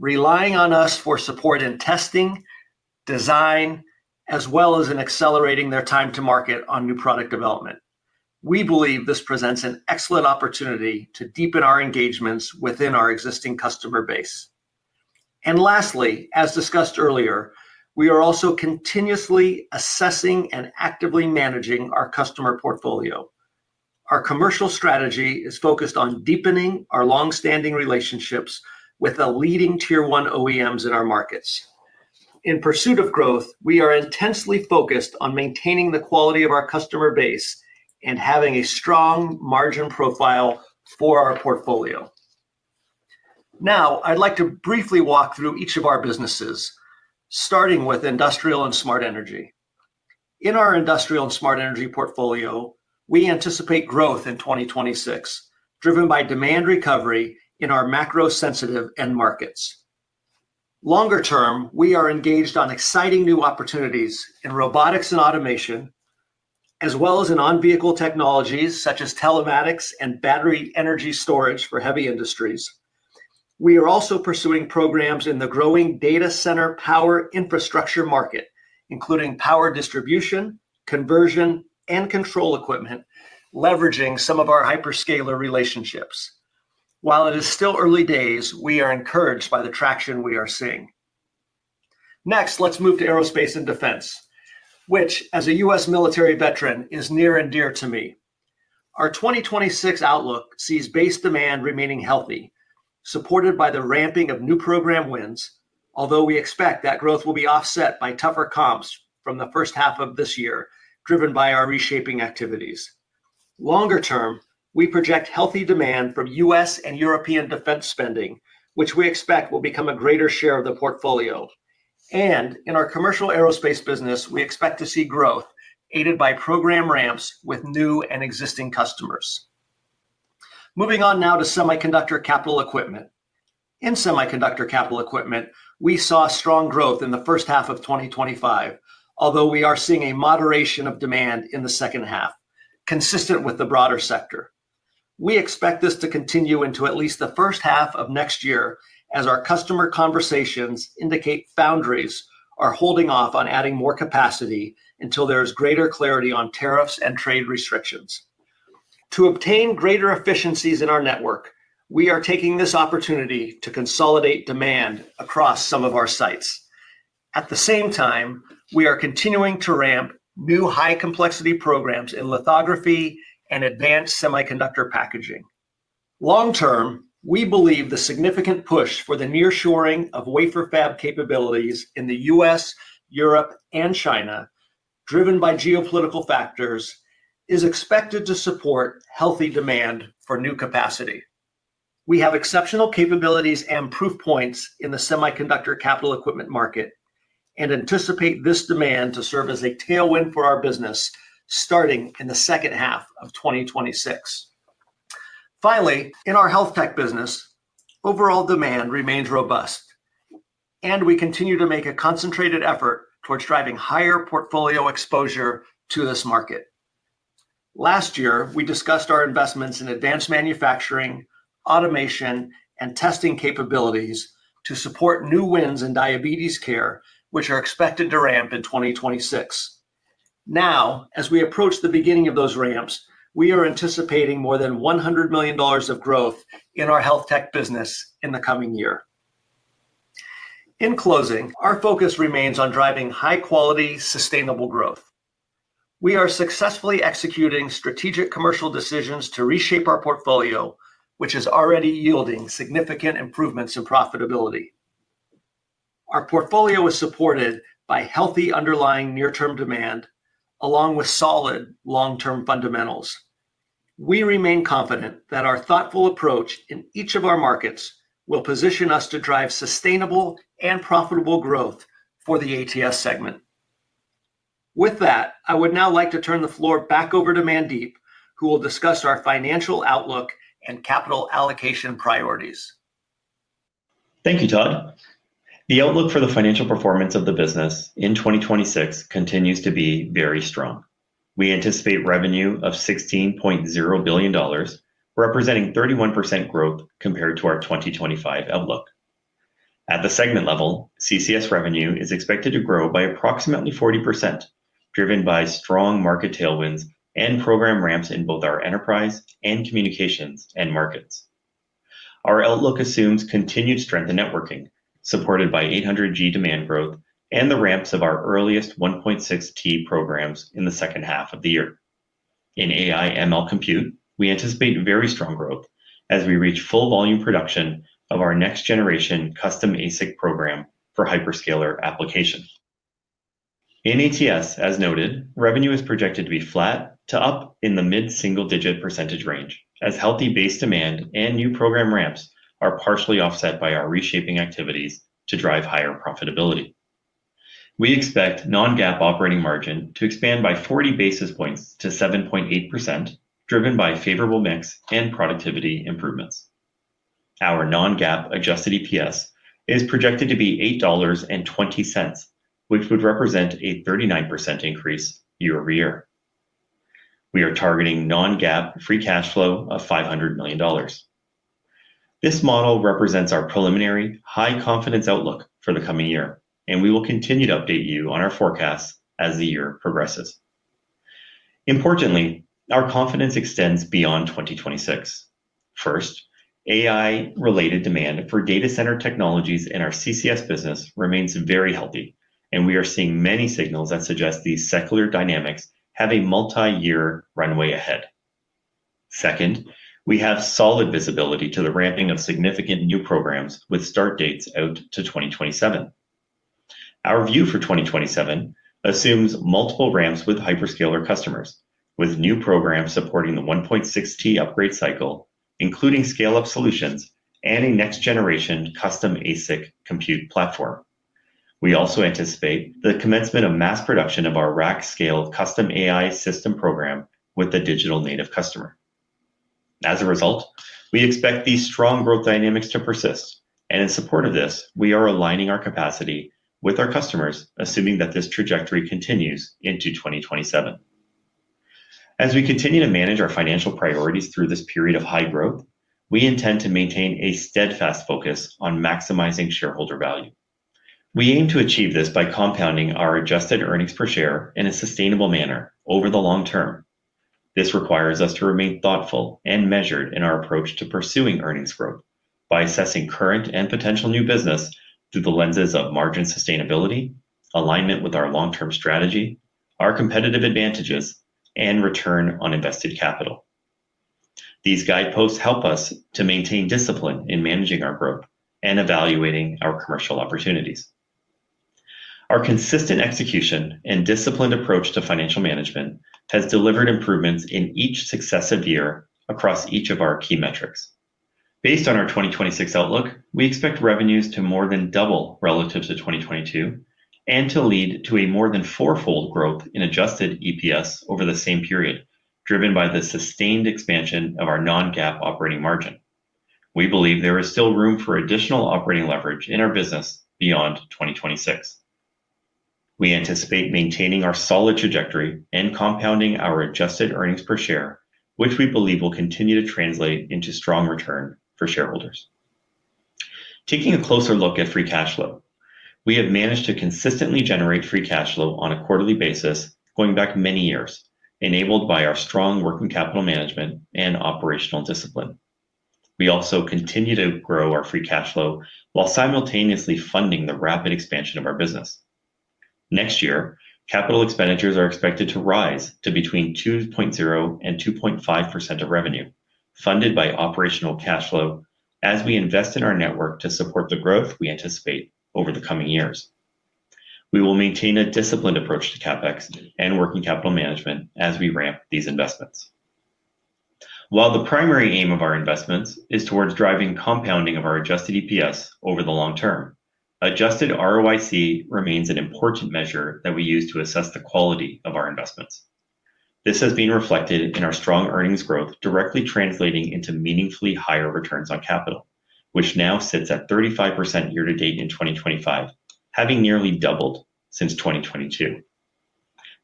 relying on us for support in testing, design, as well as in accelerating their time to market on new product development. We believe this presents an excellent opportunity to deepen our engagements within our existing customer base. Lastly, as discussed earlier, we are also continuously assessing and actively managing our customer portfolio. Our commercial strategy is focused on deepening our longstanding relationships with the leading Tier 1 OEMs in our markets. In pursuit of growth, we are intensely focused on maintaining the quality of our customer base and having a strong margin profile for our portfolio. Now, I'd like to briefly walk through each of our businesses, starting with industrial and smart energy. In our industrial and smart energy portfolio, we anticipate growth in 2026, driven by demand recovery in our macro-sensitive end markets. Longer term, we are engaged on exciting new opportunities in robotics and automation, as well as in on-vehicle technologies such as telematics and battery energy storage for heavy industries. We are also pursuing programs in the growing data center power infrastructure market, including power distribution, conversion, and control equipment, leveraging some of our hyperscaler relationships. While it is still early days, we are encouraged by the traction we are seeing. Next, let's move to aerospace and defense, which, as a U.S. military veteran, is near and dear to me. Our 2026 outlook sees base demand remaining healthy, supported by the ramping of new program wins, although we expect that growth will be offset by tougher comps from the first half of this year, driven by our reshaping activities. Longer term, we project healthy demand from U.S. and European defense spending, which we expect will become a greater share of the portfolio. In our commercial aerospace business, we expect to see growth aided by program ramps with new and existing customers. Moving on now to semiconductor capital equipment. In semiconductor capital equipment, we saw strong growth in the first half of 2025, although we are seeing a moderation of demand in the second half, consistent with the broader sector. We expect this to continue into at least the first half of next year, as our customer conversations indicate foundries are holding off on adding more capacity until there is greater clarity on tariffs and trade restrictions. To obtain greater efficiencies in our network, we are taking this opportunity to consolidate demand across some of our sites. At the same time, we are continuing to ramp new high-complexity programs in lithography and advanced semiconductor packaging. Long term, we believe the significant push for the nearshoring of wafer fab capabilities in the U.S., Europe, and China, driven by geopolitical factors, is expected to support healthy demand for new capacity. We have exceptional capabilities and proof points in the semiconductor capital equipment market and anticipate this demand to serve as a tailwind for our business, starting in the second half of 2026. Finally, in our health tech business, overall demand remains robust, and we continue to make a concentrated effort towards driving higher portfolio exposure to this market. Last year, we discussed our investments in advanced manufacturing, automation, and testing capabilities to support new wins in diabetes care, which are expected to ramp in 2026. Now, as we approach the beginning of those ramps, we are anticipating more than $100 million of growth in our health tech business in the coming year. In closing, our focus remains on driving high-quality, sustainable growth. We are successfully executing strategic commercial decisions to reshape our portfolio, which is already yielding significant improvements in profitability. Our portfolio is supported by healthy underlying near-term demand, along with solid long-term fundamentals. We remain confident that our thoughtful approach in each of our markets will position us to drive sustainable and profitable growth for the ATS segment. With that, I would now like to turn the floor back over to Mandeep, who will discuss our financial outlook and capital allocation priorities. Thank you, Todd. The outlook for the financial performance of the business in 2026 continues to be very strong. We anticipate revenue of $16.0 billion, representing 31% growth compared to our 2025 outlook. At the segment level, CCS revenue is expected to grow by approximately 40%, driven by strong market tailwinds and program ramps in both our enterprise and communications and markets. Our outlook assumes continued strength in networking, supported by 800G demand growth and the ramps of our earliest 1.6T programs in the second half of the year. In AI/ML compute, we anticipate very strong growth as we reach full volume production of our next generation custom ASIC program for hyperscaler applications. In ATS, as noted, revenue is projected to be flat to up in the mid-single-digit percentage range, as healthy base demand and new program ramps are partially offset by our reshaping activities to drive higher profitability. We expect non-GAAP operating margin to expand by 40 basis points to 7.8%, driven by favorable mix and productivity improvements. Our non-GAAP adjusted EPS is projected to be $8.20, which would represent a 39% increase year-over-year. We are targeting non-GAAP free cash flow of $500 million. This model represents our preliminary high confidence outlook for the coming year, and we will continue to update you on our forecasts as the year progresses. Importantly, our confidence extends beyond 2026. First, AI-related demand for data center technologies in our CCS business remains very healthy, and we are seeing many signals that suggest these secular dynamics have a multi-year runway ahead. Second, we have solid visibility to the ramping of significant new programs with start dates out to 2027. Our view for 2027 assumes multiple ramps with hyperscaler customers, with new programs supporting the 1.6T upgrade cycle, including scale-up solutions and a next-generation custom ASIC compute platform. We also anticipate the commencement of mass production of our rack-scale custom AI system program with a digital native customer. As a result, we expect these strong growth dynamics to persist, and in support of this, we are aligning our capacity with our customers, assuming that this trajectory continues into 2027. As we continue to manage our financial priorities through this period of high growth, we intend to maintain a steadfast focus on maximizing shareholder value. We aim to achieve this by compounding our adjusted earnings per share in a sustainable manner over the long term. This requires us to remain thoughtful and measured in our approach to pursuing earnings growth by assessing current and potential new business through the lenses of margin sustainability, alignment with our long-term strategy, our competitive advantages, and return on invested capital. These guideposts help us to maintain discipline in managing our growth and evaluating our commercial opportunities. Our consistent execution and disciplined approach to financial management has delivered improvements in each successive year across each of our key metrics. Based on our 2026 outlook, we expect revenues to more than double relative to 2022 and to lead to a more than four-fold growth in Adjusted EPS over the same period, driven by the sustained expansion of our non-GAAP operating margin. We believe there is still room for additional operating leverage in our business beyond 2026. We anticipate maintaining our solid trajectory and compounding our adjusted earnings per share, which we believe will continue to translate into strong return for shareholders. Taking a closer look at free cash flow, we have managed to consistently generate free cash flow on a quarterly basis going back many years, enabled by our strong working capital management and operational discipline. We also continue to grow our free cash flow while simultaneously funding the rapid expansion of our business. Next year, capital expenditures are expected to rise to between 2.0% and 2.5% of revenue, funded by operational cash flow, as we invest in our network to support the growth we anticipate over the coming years. We will maintain a disciplined approach to CapEx and working capital management as we ramp these investments. While the primary aim of our investments is towards driving compounding of our adjusted EPS over the long term, adjusted ROIC remains an important measure that we use to assess the quality of our investments. This has been reflected in our strong earnings growth, directly translating into meaningfully higher returns on capital, which now sits at 35% year to date in 2025, having nearly doubled since 2022.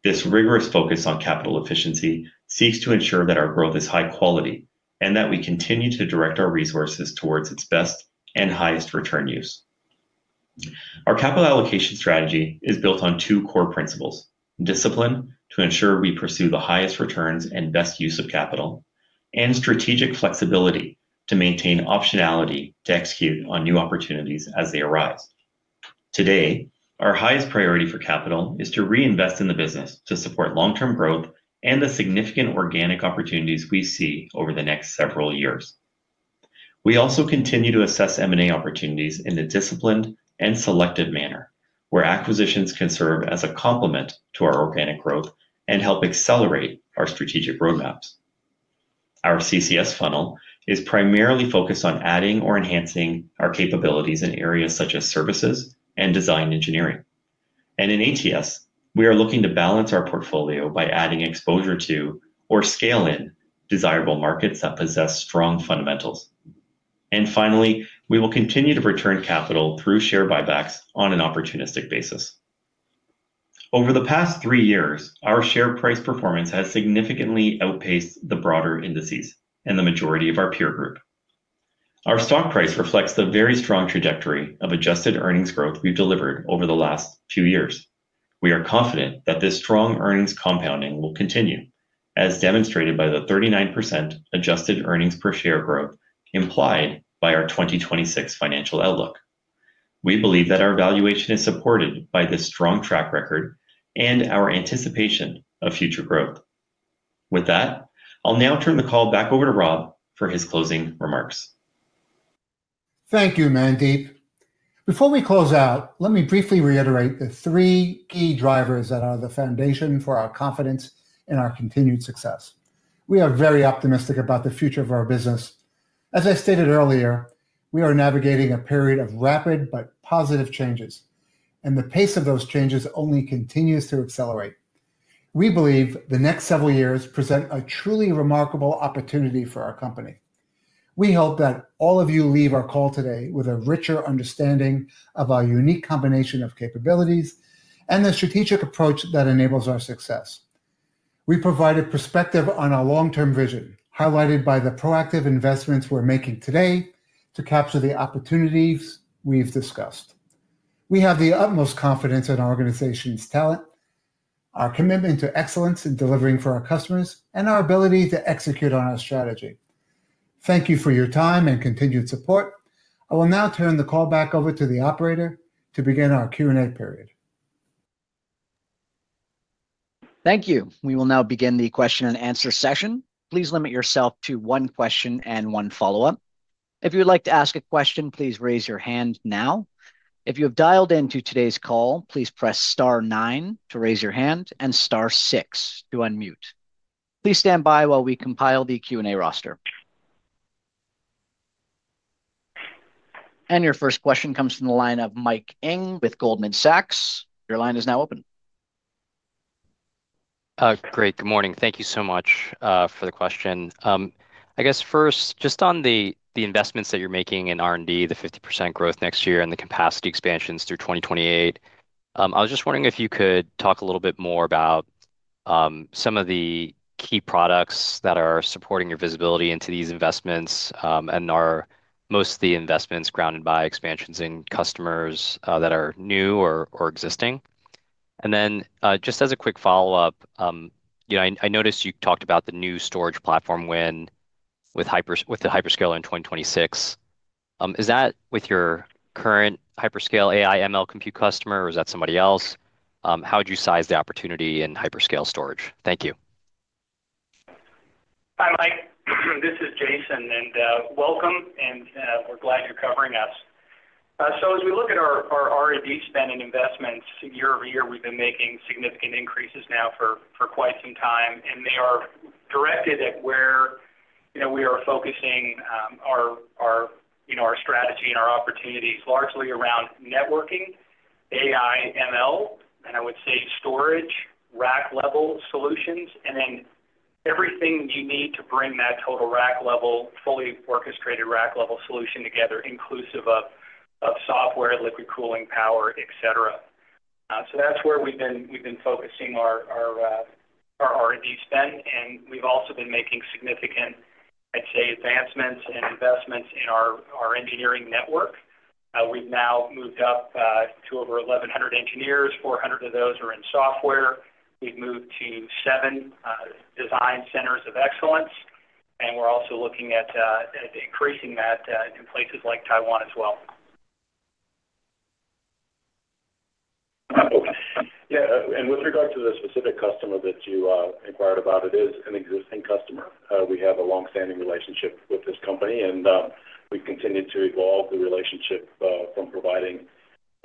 This rigorous focus on capital efficiency seeks to ensure that our growth is high quality and that we continue to direct our resources towards its best and highest return use. Our capital allocation strategy is built on two core principles: discipline to ensure we pursue the highest returns and best use of capital, and strategic flexibility to maintain optionality to execute on new opportunities as they arise. Today, our highest priority for capital is to reinvest in the business to support long-term growth and the significant organic opportunities we see over the next several years. We also continue to assess M&A opportunities in a disciplined and selective manner, where acquisitions can serve as a complement to our organic growth and help accelerate our strategic roadmaps. Our CCS funnel is primarily focused on adding or enhancing our capabilities in areas such as services and design engineering. In ATS, we are looking to balance our portfolio by adding exposure to or scale in desirable markets that possess strong fundamentals. We will continue to return capital through share buybacks on an opportunistic basis. Over the past three years, our share price performance has significantly outpaced the broader indices and the majority of our peer group. Our stock price reflects the very strong trajectory of adjusted earnings growth we've delivered over the last few years. We are confident that this strong earnings compounding will continue, as demonstrated by the 39% adjusted earnings per share growth implied by our 2026 financial outlook. We believe that our valuation is supported by this strong track record and our anticipation of future growth. With that, I'll now turn the call back over to Rob for his closing remarks. Thank you, Mandeep. Before we close out, let me briefly reiterate the three key drivers that are the foundation for our confidence in our continued success. We are very optimistic about the future of our business. As I stated earlier, we are navigating a period of rapid but positive changes, and the pace of those changes only continues to accelerate. We believe the next several years present a truly remarkable opportunity for our company. We hope that all of you leave our call today with a richer understanding of our unique combination of capabilities and the strategic approach that enables our success. We provide a perspective on our long-term vision, highlighted by the proactive investments we're making today to capture the opportunities we've discussed. We have the utmost confidence in our organization's talent, our commitment to excellence in delivering for our customers, and our ability to execute on our strategy. Thank you for your time and continued support. I will now turn the call back over to the operator to begin our Q&A period. Thank you. We will now begin the question-and-answer session. Please limit yourself to one question and one follow-up. If you would like to ask a question, please raise your hand now. If you have dialed into today's call, please press star nine to raise your hand and star six to unmute. Please stand by while we compile the Q&A roster. Your first question comes from the line of Mike Ng with Goldman Sachs. Your line is now open. Great. Good morning. Thank you so much for the question. I guess first, just on the investments that you're making in R&D, the 50% growth next year and the capacity expansions through 2028, I was just wondering if you could talk a little bit more about some of the key products that are supporting your visibility into these investments and are mostly investments grounded by expansions in customers that are new or existing. Just as a quick follow-up, I noticed you talked about the new storage platform win with the hyperscaler in 2026. Is that with your current hyperscale AI/ML compute customer, or is that somebody else? How would you size the opportunity in hyperscale storage? Thank you. Hi, Mike. This is Jason, and welcome, and we're glad you're covering us. As we look at our R&D spend and investments year-over-year, we've been making significant increases now for quite some time, and they are directed at where we are focusing our strategy and our opportunities largely around networking, AI/ML, and I would say storage, rack-level solutions, and then everything you need to bring that total rack-level, fully orchestrated rack-level solution together, inclusive of software, liquid cooling, power, et cetera. That's where we've been focusing our R&D spend, and we've also been making significant, I'd say, advancements and investments in our engineering network. We've now moved up to over 1,100 engineers. 400 of those are in software. We've moved to seven design centers of excellence, and we're also looking at increasing that in places like Taiwan as well. Yeah, with regard to the specific customer that you inquired about, it is an existing customer. We have a longstanding relationship with this company, and we've continued to evolve the relationship from providing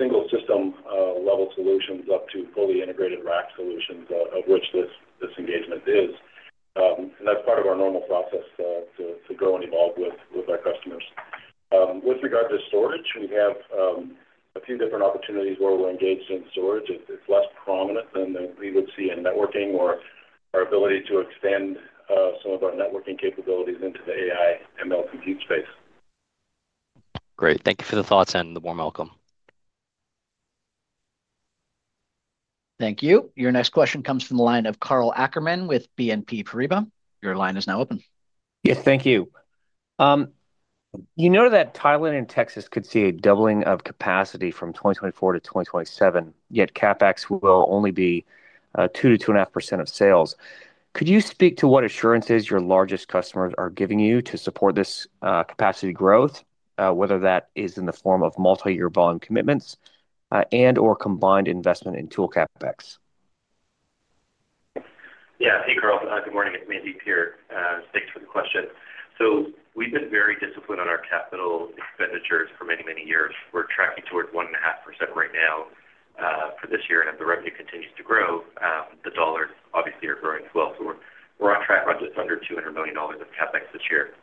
single-system level solutions up to fully integrated rack solutions, of which this engagement is. That's part of our normal process to grow and evolve with our customers. With regard to storage, we have a few different opportunities where we're engaged in storage. It's less prominent than we would see in networking or our ability to extend some of our networking capabilities into the AI/ML compute space. Great. Thank you for the thoughts and the warm welcome. Thank you. Your next question comes from the line of Karl Ackerman with BNP Paribas Exane. Your line is now open. Yes, thank you. You noted that Thailand and Texas could see a doubling of capacity from 2024-2027, yet CapEx will only be 2%-2.5% of sales. Could you speak to what assurances your largest customers are giving you to support this capacity growth, whether that is in the form of multi-year bond commitments and/or combined investment into CapEx? Yeah, hey Karl, good morning. It's Mandeep here. Thanks for the question. We've been very disciplined on our capital expenditures for many, many years. We're tracking towards 1.5% right now for this year, and as the revenue continues to grow, the dollars obviously are growing as well. We're on track for just under $200 million of CapEx this year.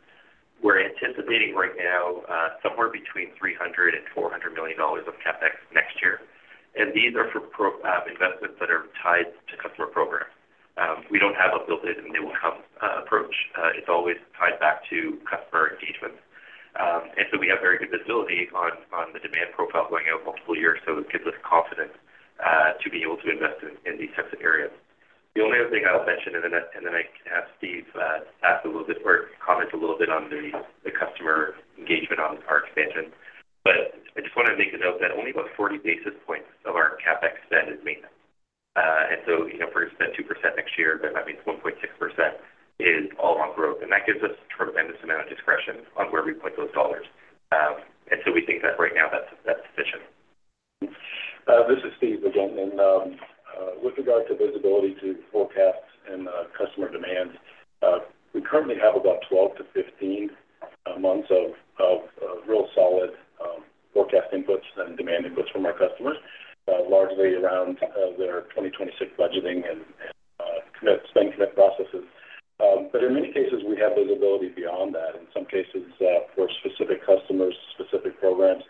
We're anticipating right now somewhere between $300 and $400 million of CapEx next year, and these are for investments that are tied to customer programs. We don't have a built-in and they will come approach. It's always tied back to customer engagement. We have very good visibility on the demand profile going out multiple years, which gives us confidence to be able to invest in these types of areas. The only other thing I'll mention, and then I can have Steve comment a little bit on the customer engagement on our expansion, is that only about 40 basis points of our CapEx spend is maintenance. For a spend of 2% next year, that means 1.6% is all on growth, and that gives us a tremendous amount of discretion on where we put those dollars. We think that right now that's sufficient. This is Steve again. With regard to visibility to forecasts and customer demand, we currently have about 12-15 months of real solid forecast inputs and demand inputs from our customers, largely around their 2026 budgeting and spend commit processes. In many cases, we have visibility beyond that. In some cases, for specific customers, specific programs,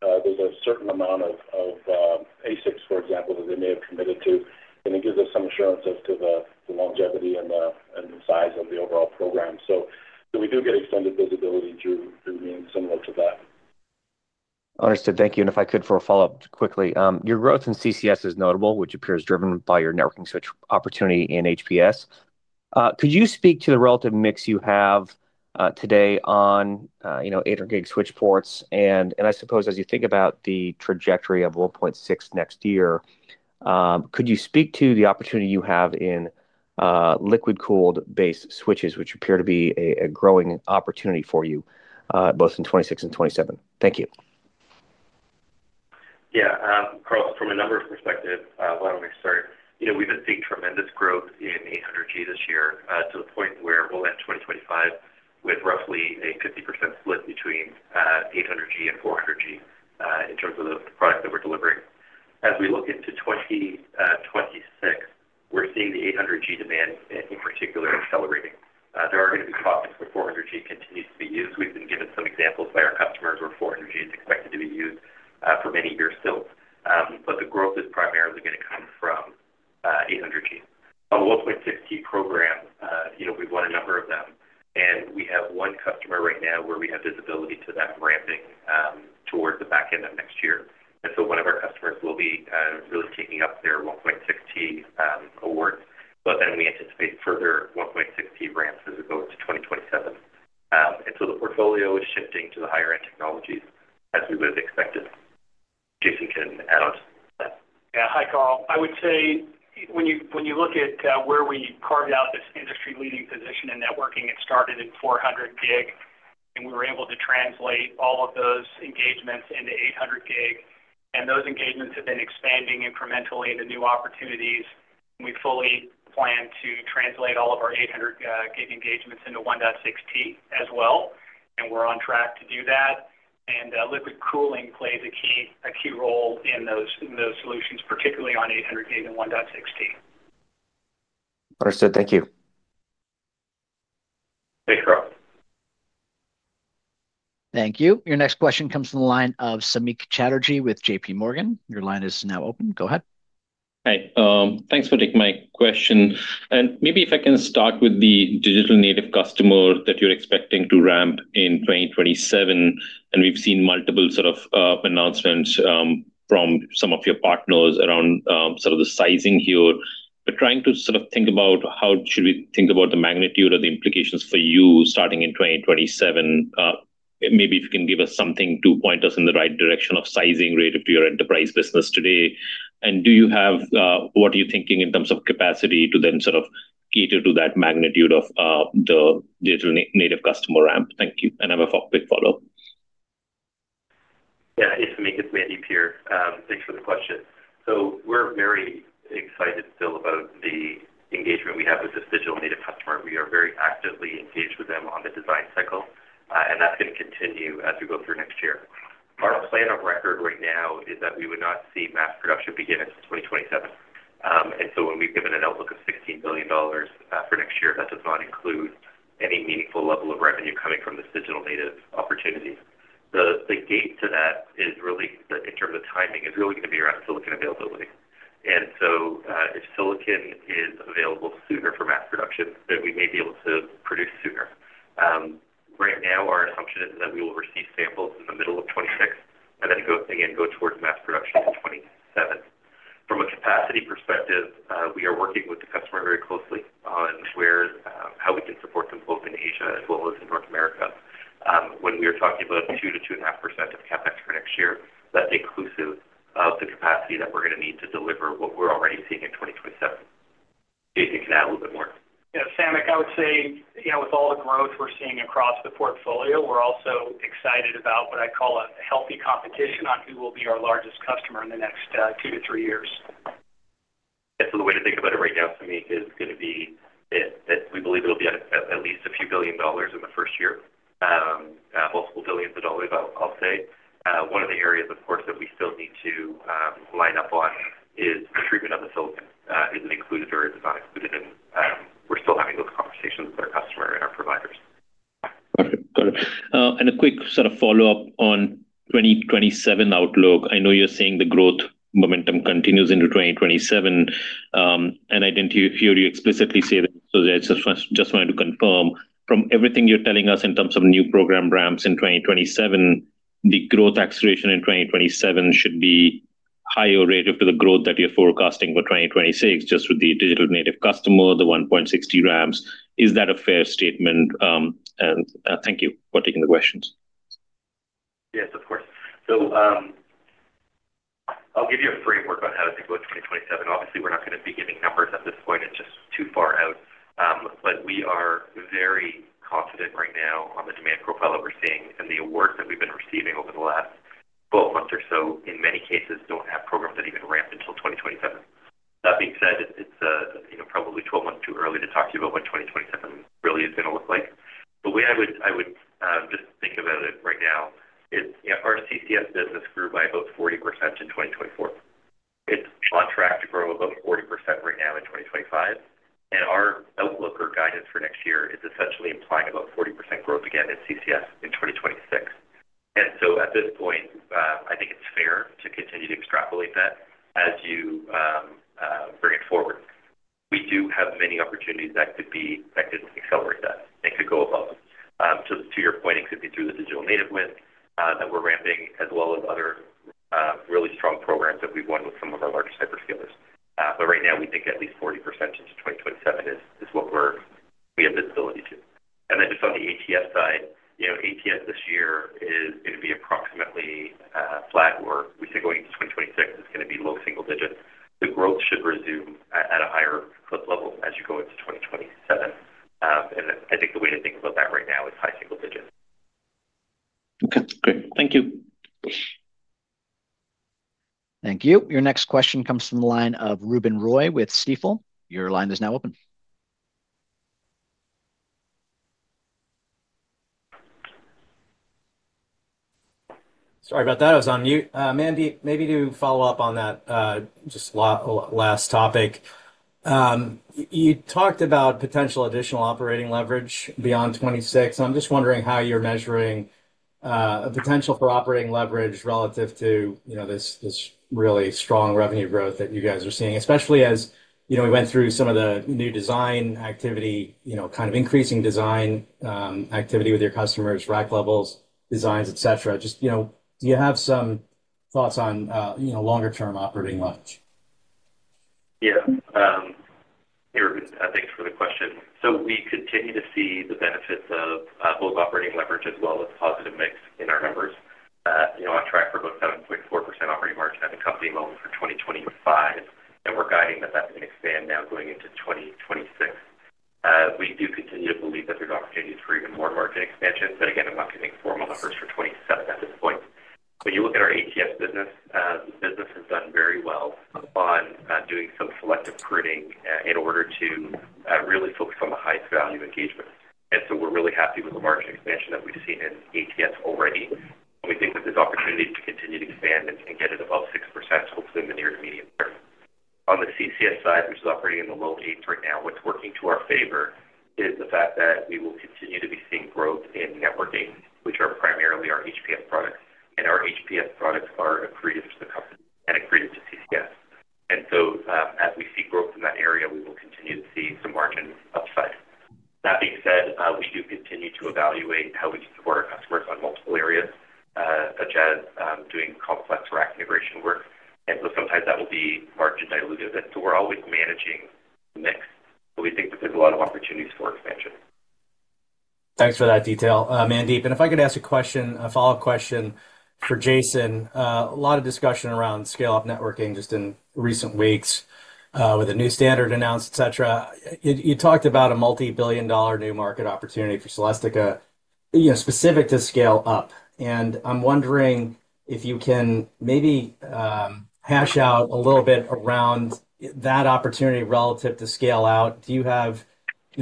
there's a certain amount of ASICs, for example, that they may have committed to, and it gives us some assurance as to the longevity and the size of the overall program. We do get extended visibility through means similar to that. Understood. Thank you. If I could, for a follow-up quickly, your growth in CCS is notable, which appears driven by your networking switch opportunities and HPS. Could you speak to the relative mix you have today on, you know, 800G switch ports? I suppose as you think about the trajectory of 1.6T next year, could you speak to the opportunity you have in liquid-cooled base switches, which appear to be a growing opportunity for you both in 2026 and 2027? Thank you. Yeah, Karl, from a numbers perspective, why don't we start? We've seen tremendous growth in 800G this year to the point where we'll end 2025 with roughly a 50% split between 800G and 400G in terms of the product that we're delivering. As we look into 2026, we're seeing the 800G demand in particular accelerating. There are going to be pockets where 400G continues to be used. Thank you. Your next question comes from the line of Samik Chatterjee with JPMorgan. Your line is now open. Go ahead. Hi. Thanks for taking my question. Maybe if I can start with the digital native customer that you're expecting to ramp in 2027. We've seen multiple announcements from some of your partners around the sizing here. We're trying to think about how should we think about the magnitude of the implications for you starting in 2027. Maybe if you can give us something to point us in the right direction of sizing relative to your enterprise business today. Do you have what you're thinking in terms of capacity to then cater to that magnitude of the digital native customer ramp? Thank you. I have a quick follow-up. Yeah, it's Mandeep here. Thanks for the question. We're very excited still about the engagement we have with this digital native customer. We are very actively engaged with them on the design cycle, and that's going to continue as we go through next year. Our plan of record right now is that we would not see mass production beginning in 2027. When we've given an outlook of $16 billion for next year, that does not include any meaningful level of revenue coming from this digital native opportunity. The gate to that, in terms of timing, is really going to be around silicon availability. If silicon is available sooner for mass production, then we may be able to produce sooner. Right now, our assumption is that we will receive samples in the middle of 2026 and then going in towards mass production in 2027. From a capacity perspective, we are working with the customer very closely on how we can support them both in Asia as well as in North America. When we are talking about 2%-2.5% of CapEx for next year, that's inclusive of the capacity that we're going to need to deliver what we're already seeing in 2027. Jason can add a little bit more. Yeah, Samik, I would say, you know, with all the growth we're seeing across the portfolio, we're also excited about what I call a healthy competition on who will be our largest customer in the next two to three years. The way to think about it right now for me is going to be that we believe it'll be at least a few billion dollars in the first year, multiple billions of dollars, I'll say. One of the areas, of course, that we still need to line up on is the treatment of the silicon. Is it included or is it not included? We're still having those conversations with our customer and our providers. Got it. A quick sort of follow-up on 2027 outlook. I know you're saying the growth momentum continues into 2027. I didn't hear you explicitly say this, so I just wanted to confirm. From everything you're telling us in terms of new program ramps in 2027, the growth acceleration in 2027 should be higher relative to the growth that you're forecasting for 2026, just with the digital native customer, the 1.6T ramps. Is that a fair statement? Thank you for taking the questions. Yes, of course. I'll give you a framework on how to think about 2027. Obviously, we're not going to be giving numbers at this point. It's just too far out. We are very confident right now on the demand profile that we're seeing and the awards that we've been receiving over the last 12 months or so. In many cases, we don't have programs that even ramp until 2027. That being said, it's probably 12 months too early to talk to you about what 2027 really is going to look like. The way I would just think about it right now is our CCS business grew by about 40% in 2024. It's on track to grow about 40% right now in 2025. Our outlook or guidance for next year is essentially implying about 40% growth again in CCS in 2026. At this point, I think it's fair to continue to extrapolate that as you bring it forward. We do have many opportunities that could accelerate that and could go above. To your point, it could be through the digital native win that we're ramping, as well as other really strong programs that we've won with some of our larger hyperscalers. Right now, we think at least 40% into 2027 is what we have visibility to. Just on the ATS side, ATS this year is going to be approximately flat, or we say going into 2026, it's going to be low single digits. The growth should resume at a higher level as you go into 2027. I think the way to think about that right now is high single digits. Okay. Great. Thank you. Thank you. Your next question comes from the line of Ruben Roy with Stifel. Your line is now open. Sorry about that. I was on mute. Mandeep, maybe to follow up on that, just a last topic. You talked about potential additional operating leverage beyond 2026. I'm just wondering how you're measuring a potential for operating leverage relative to, you know, this really strong revenue growth that you guys are seeing, especially as, you know, we went through some of the new design activity, you know, kind of increasing design activity with your customers, rack levels, designs, etc. Just, you know, do you have some thoughts on, you know, longer-term operating leverage? Yeah. Thank you for the question. We continue to see the benefits of both operating leverage as well as positive mix in our numbers. We're on track for about 7.4% operating margin at the company level for 2025, and we're guiding that can expand now going into 2026. We do continue to believe that there's opportunities for even more margin expansion. I'm not giving formal numbers for 2027 at this point. When you look at our Advanced Technology Solutions business, the business has done very well on doing some selective pruning in order to really focus on the highest value engagement. We're really happy with the margin expansion that we've seen in Advanced Technology Solutions already, and we think that there's opportunity to continue to expand and get it above 6%, hopefully in the near to medium term. On the CCS side, which is operating in the low 8s right now, what's working to our favor is the fact that we will continue to be seeing growth in networking, which are primarily our HPS products. Our HPS products are accretive to the company and accretive to CCS. As we see growth in that area, we will continue to see some margin upside. That being said, we do continue to evaluate how we can support our customers on multiple areas, such as doing complex rack integration work. Sometimes that will be margin dilutive, and we're always managing the mix. We think that there's a lot of opportunities for expansion. Thanks for that detail, Mandeep. If I could ask a follow-up question for Jason. There has been a lot of discussion around scale-up networking just in recent weeks with a new standard announced, etc. You talked about a multi-billion dollar new market opportunity for Celestica, specific to scale-up. I'm wondering if you can maybe hash out a little bit around that opportunity relative to scale-out. Do you have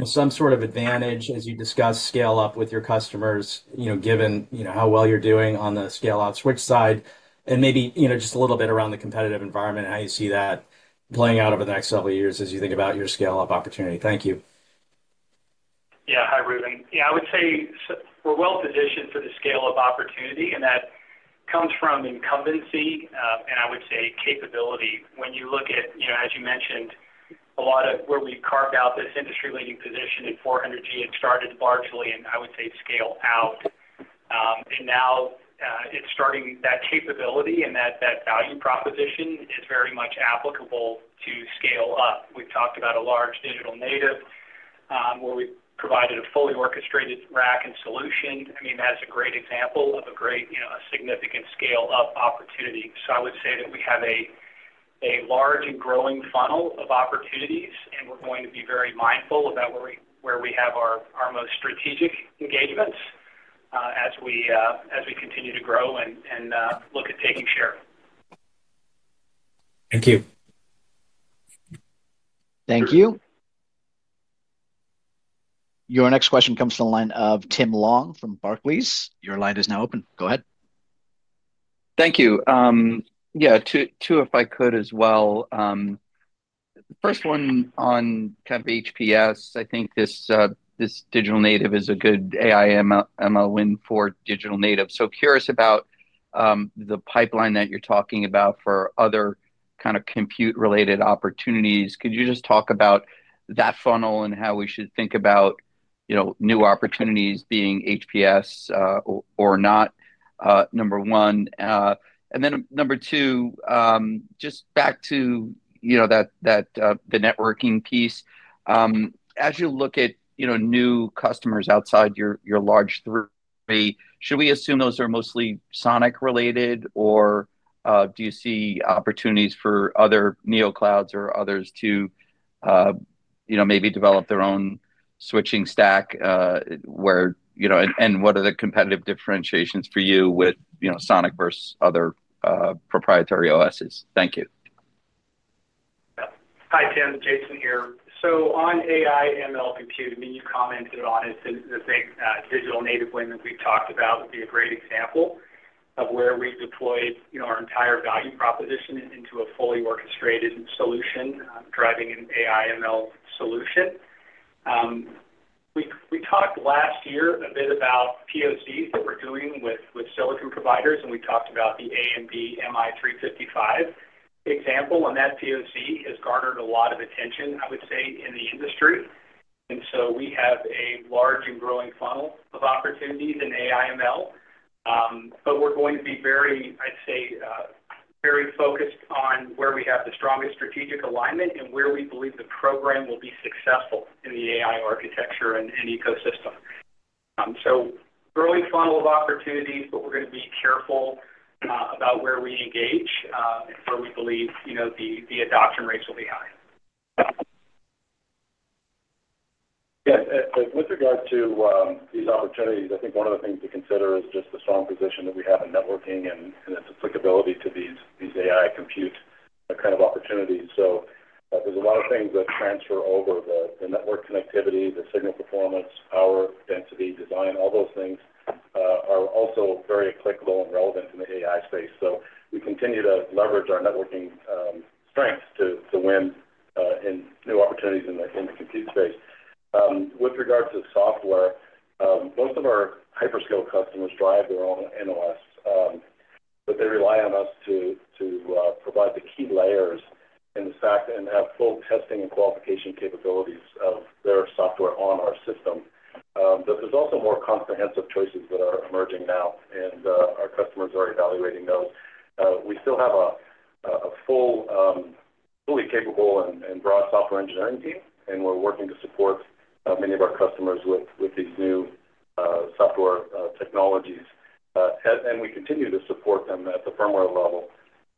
some sort of advantage as you discuss scale-up with your customers, given how well you're doing on the scale-out switch side? Maybe just a little bit around the competitive environment and how you see that playing out over the next several years as you think about your scale-up opportunity. Thank you. Yeah. Hi, Ruben. Yeah, I would say we're well positioned for the scale-up opportunity. That comes from incumbency, and I would say capability. When you look at, you know, as you mentioned, a lot of where we carved out this industry-leading position in 400G, it started largely, and I would say scale out. Now it's starting that capability and that value proposition is very much applicable to scale up. We've talked about a large digital native where we provided a fully orchestrated rack and solution. I mean, that's a great example of a significant scale-up opportunity. I would say that we have a large and growing funnel of opportunities. We're going to be very mindful about where we have our most strategic engagements as we continue to grow and look at taking share. Thank you. Thank you. Your next question comes from the line of Tim Long from Barclays. Your line is now open. Go ahead. Thank you. Yeah, two, if I could, as well. The first one on kind of HPS. I think this digital native is a good AI/ML win for digital native. Curious about the pipeline that you're talking about for other kind of compute-related opportunities. Could you just talk about that funnel and how we should think about, you know, new opportunities being HPS or not, number one? Number two, just back to, you know, the networking piece. As you look at, you know, new customers outside your large three, should we assume those are mostly Sonic related, or do you see opportunities for other NeoClouds or others to, you know, maybe develop their own switching stack? Where, you know, and what are the competitive differentiations for you with, you know, Sonic versus other proprietary OSs? Thank you. Hi, Tim. Jason here. On AI/ML compute, you commented on it. The digital native win that we've talked about would be a great example of where we've deployed our entire value proposition into a fully orchestrated solution, driving an AI/ML solution. We talked last year a bit about POCs that we're doing with silicon providers. We talked about the AMD MI355 example. That POC has garnered a lot of attention in the industry. We have a large and growing funnel of opportunities in AI/ML. We're going to be very focused on where we have the strongest strategic alignment and where we believe the program will be successful in the AI architecture and ecosystem. Growing funnel of opportunities, but we're going to be careful about where we engage and where we believe the adoption rates will be high. Yeah. With regard to these opportunities, I think one of the things to consider is just the strong position that we have in networking and its applicability to these AI compute kind of opportunities. There's a lot of things that transfer over: the network connectivity, the signal performance, power density, design, all those things are also very applicable and relevant in the AI space. We continue to leverage our networking strengths to win in new opportunities in the compute space. With regard to software, most of our hyperscale customers drive their own analysts, but they rely on us to provide the key layers and the fact that they have full testing and qualification capabilities of their software on our system. There are also more comprehensive choices that are emerging now, and our customers are evaluating those. We still have a fully capable and broad software engineering team, and we're working to support many of our customers with these new software technologies. We continue to support them at the firmware level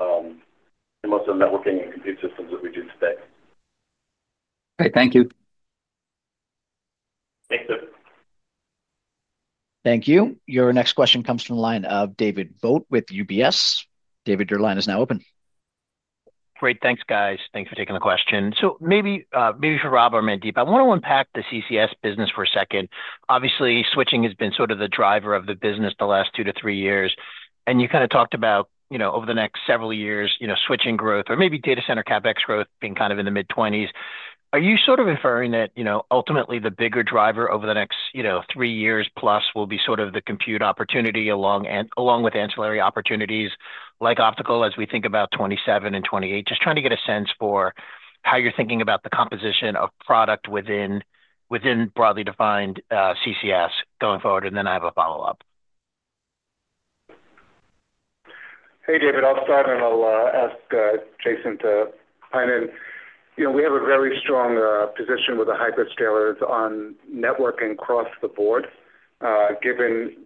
in most of the networking and compute systems that we do today. Great. Thank you. Thanks, Tim. Thank you. Your next question comes from the line of David Vogt with UBS. David, your line is now open. Great. Thanks, guys. Thanks for taking the question. Maybe for Rob or Mandeep, I want to unpack the CCS business for a second. Obviously, switching has been sort of the driver of the business the last two to three years. You kind of talked about, over the next several years, switching growth or maybe data center CapEx growth being kind of in the mid-20%. Are you inferring that, ultimately, the bigger driver over the next 3+ years will be the compute opportunity along with ancillary opportunities like Optical as we think about 2027 and 2028? Just trying to get a sense for how you're thinking about the composition of product within broadly defined CCS going forward. I have a follow-up. Hey, David. I'll start and I'll ask Jason to hone in. We have a very strong position with the hyperscalers on networking across the board. Given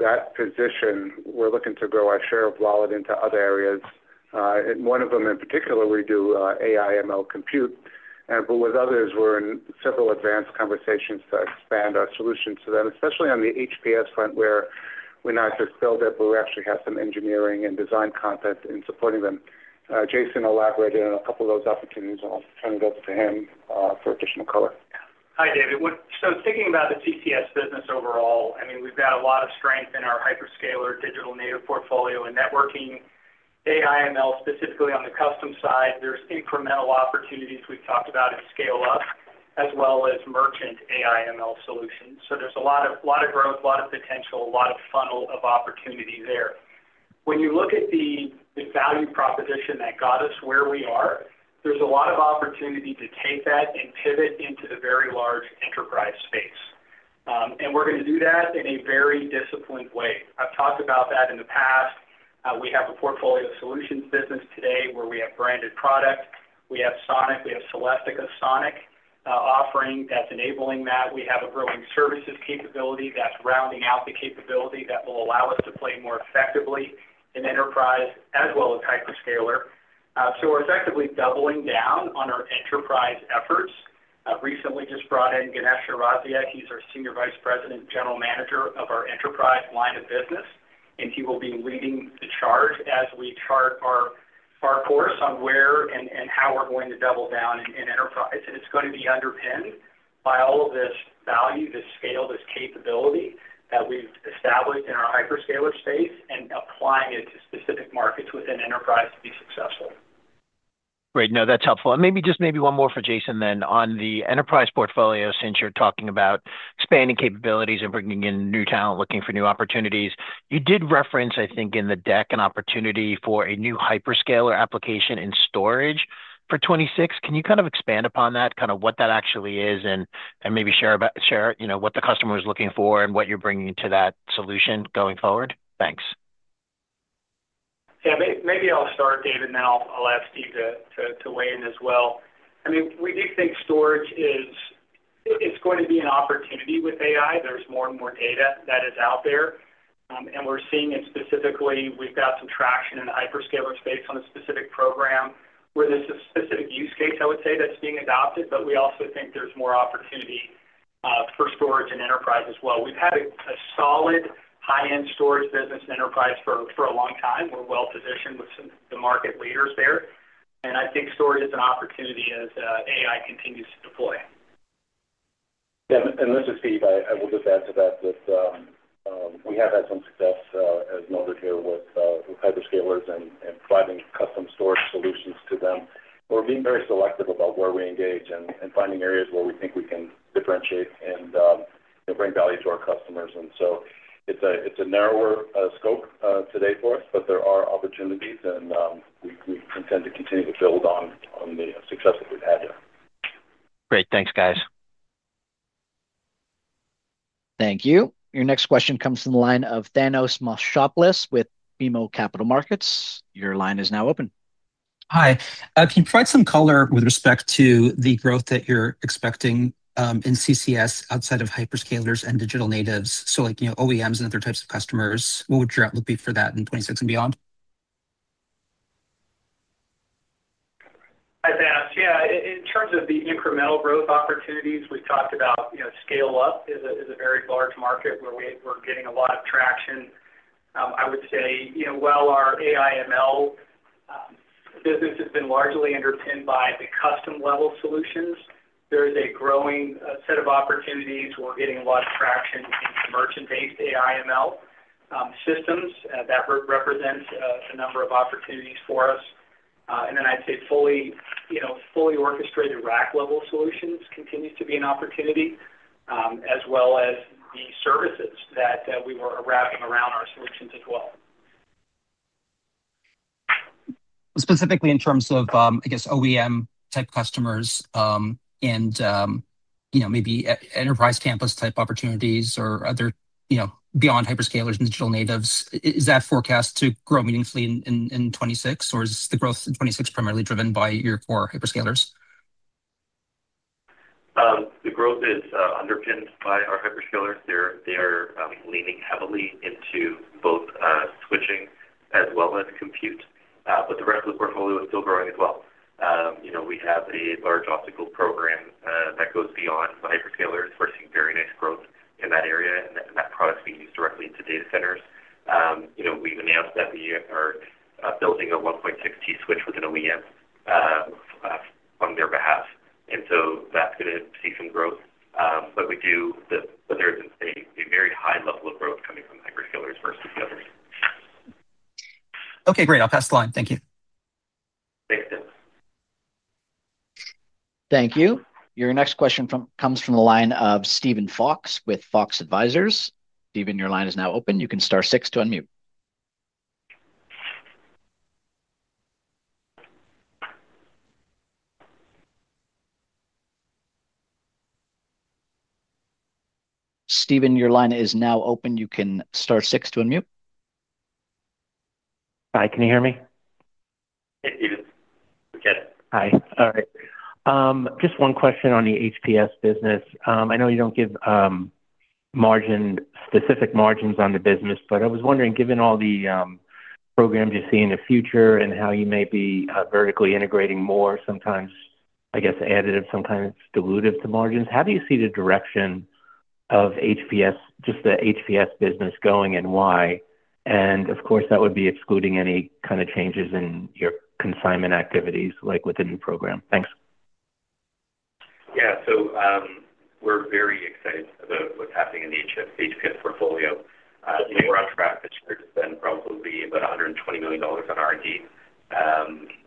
that position, we're looking to grow our share of wallet into other areas. In one of them, in particular, we do AI/ML compute. With others, we're in several advanced conversations to expand our solutions to them, especially on the HPS front where we not just build it, but we actually have some engineering and design content in supporting them. Jason elaborated on a couple of those opportunities. I'll turn it over to him for additional color. Hi, David. Thinking about the CCS business overall, we've got a lot of strength in our hyperscaler digital native portfolio and networking AI/ML, specifically on the custom side. There are incremental opportunities we've talked about in scale-up, as well as merchant AI/ML solutions. There's a lot of growth, a lot of potential, a lot of funnel of opportunity there. When you look at the value proposition that got us where we are, there's a lot of opportunity to take that and pivot into the very large enterprise space. We're going to do that in a very disciplined way. I've talked about that in the past. We have a portfolio solutions business today where we have branded products. We have Sonic. We have Celestica Sonic offering that's enabling that. We have a growing services capability that's rounding out the capability that will allow us to play more effectively in enterprise as well as hyperscaler. We're effectively doubling down on our enterprise efforts. I've recently just brought in Ganesh Sarasiah. He's our Senior Vice President and General Manager of our enterprise line of business. He will be leading the charge as we chart our course on where and how we're going to double down in enterprise. It's going to be underpinned by all of this value, this scale, this capability that we've established in our hyperscaler space and applying it to specific markets within enterprise to be successful. Great. No, that's helpful. Maybe just one more for Jason then. On the enterprise portfolio, since you're talking about expanding capabilities and bringing in new talent looking for new opportunities, you did reference, I think, in the deck an opportunity for a new hyperscaler application in storage for 2026. Can you kind of expand upon that, what that actually is, and maybe share what the customer is looking for and what you're bringing to that solution going forward? Thanks. Yeah, maybe I'll start, David. I'll ask you to weigh in as well. I mean, we do think storage is going to be an opportunity with AI. There's more and more data that is out there. We're seeing it specifically. We've got some traction in the hyperscaler space on a specific program where this is a specific use case, I would say, that's being adopted. We also think there's more opportunity for storage in enterprise as well. We've had a solid high-end storage business in enterprise for a long time. We're well positioned with some of the market leaders there. I think storage is an opportunity as AI continues to deploy. Yeah. This is Steve. I will just add to that that we have had some success, as noted here, with hyperscalers and providing custom storage solutions to them. We're being very selective about where we engage and finding areas where we think we can differentiate and bring value to our customers. It is a narrower scope today for us, but there are opportunities. We intend to continue to build on the success that we've had here. Great. Thanks, guys. Thank you. Your next question comes from the line of Thanos Moschopoulos with BMO Capital Markets. Your line is now open. Hi. Can you provide some color with respect to the growth that you're expecting in CCS outside of hyperscalers and digital natives? Like, you know, OEMs and other types of customers, what would your outlook be for that in 2026 and beyond? Hi, Thanos. Yeah, in terms of the incremental growth opportunities, we've talked about, you know, scale-up is a very large market where we're getting a lot of traction. I would say, you know, while our AI/ML business has been largely underpinned by the custom level solutions, there is a growing set of opportunities. We're getting a lot of traction in the merchant-based AI/ML systems that represent a number of opportunities for us. I'd say fully, you know, fully orchestrated rack-level solutions continue to be an opportunity, as well as the services that we were wrapping around our solutions as well. Specifically in terms of, I guess, OEM-type customers and, you know, maybe enterprise campus-type opportunities or other, you know, beyond hyperscalers and digital natives, is that forecast to grow meaningfully in 2026, or is the growth in 2026 primarily driven by your core hyperscalers? The growth is underpinned by our hyperscalers. They are leaning heavily into both switching as well as compute. The rest of the portfolio is still growing as well. You know, we have a large Optical program that goes beyond the hyperscalers. We're seeing very nice growth in that area, and that product is being used directly into data centers. You know, we've announced that we are building a 1.6T switch with an OEM on their behalf, and so that's going to see some growth. There's a very high level of growth coming from hyperscalers versus the others. Okay. Great. I'll pass the line. Thank you. Thank you. Your next question comes from the line of Steven Fox with Fox Advisors. Steven, your line is now open. You can star six to unmute. Hi, can you hear me? Hey, Steven. We can. Hi. All right. Just one question on the HPS business. I know you don't give specific margins on the business, but I was wondering, given all the programs you see in the future and how you may be vertically integrating more, sometimes, I guess, additive sometimes dilutive to margins, how do you see the direction of just the HPS business going and why? Of course, that would be excluding any kind of changes in your consignment activities, like within the program. Thanks. Yeah. We're very excited about what's happening in the HPS portfolio. We're on track this year to spend probably about $120 million on R&D.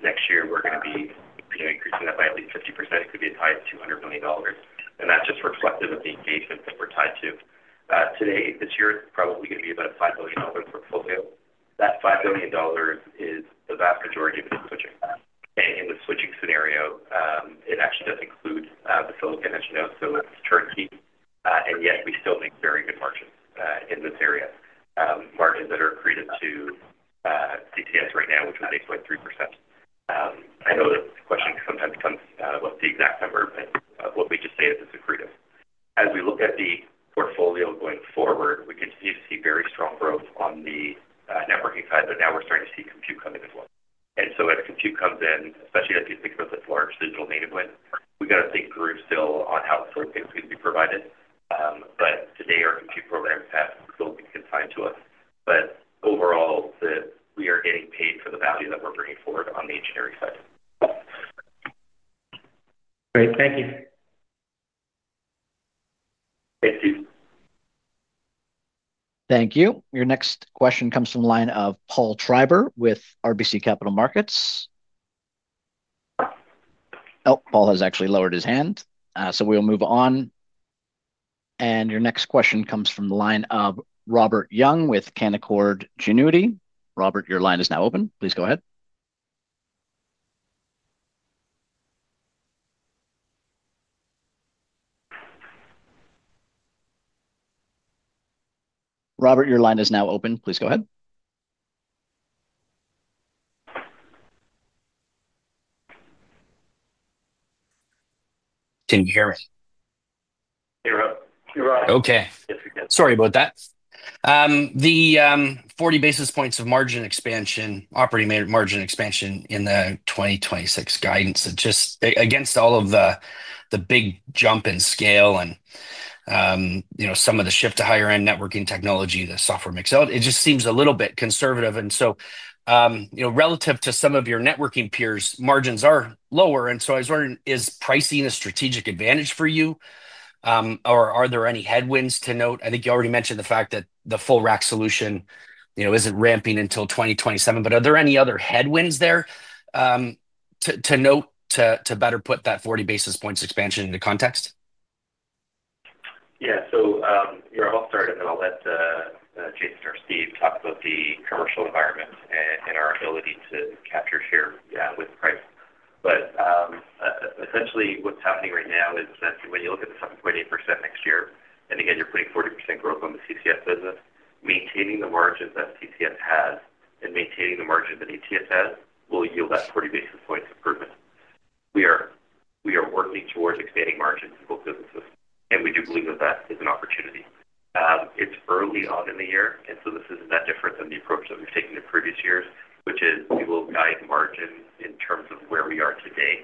Next year, we're going to be increasing that by at least 50%. It could be as high as $200 million. That's just reflective of the engagement that we're tied to. This year, it's probably going to be about a $5 billion portfolio. That $5 billion, the vast majority of it is switching. In the switching scenario, it actually does include the silicon, as you know, so it's turnkey. Yet, we still make very good margins in this area, margins that are accredited to CCS right now, which is 8.3%. I know that the question sometimes comes what's the exact number, but what we just say is it's accredited. As we look at the portfolio going forward, we continue to see very strong growth on the networking side. Now we're starting to see compute coming as well. As compute comes in, especially as you think about this large digital native win, we got to think through still on how the silicon is going to be provided. Today, our compute programs have still been consigned to us. Overall, we are getting paid for the value that we're bringing forward on the engineering side. Great. Thank you. Thanks, Steven. Thank you. Your next question comes from the line of Paul Treiber with RBC Capital Markets. Paul has actually lowered his hand. We'll move on. Your next question comes from the line of Robert Young with Canaccord Genuity. Robert, your line is now open. Please go ahead. Robert, your line is now open. Please go ahead. Can you hear me? Hey, Rob. Okay. Sorry about that. The 40 basis points of margin expansion, operating margin expansion in the 2026 guidance. It's just against all of the big jump in scale and, you know, some of the shift to higher-end networking technology, the software mix out. It just seems a little bit conservative. You know, relative to some of your networking peers, margins are lower. I was wondering, is pricing a strategic advantage for you, or are there any headwinds to note? I think you already mentioned the fact that the full rack solution, you know, isn't ramping until 2027. Are there any other headwinds there to note to better put that 40 basis points expansion into context? Yeah. Here, I'll start, and then I'll let Jason or Steve talk about the commercial environment and our ability to capture share with price. Essentially, what's happening right now is that when you look at the 7.8% next year, and again, you're putting 40% growth on the CCS business, maintaining the margins that CCS has and maintaining the margins that ETS has will yield that 40 basis points improvement. We are working towards expanding margins in both businesses. We do believe that that is an opportunity. It's early on in the year. This isn't that different than the approach that we've taken in previous years, which is we will guide margins in terms of where we are today,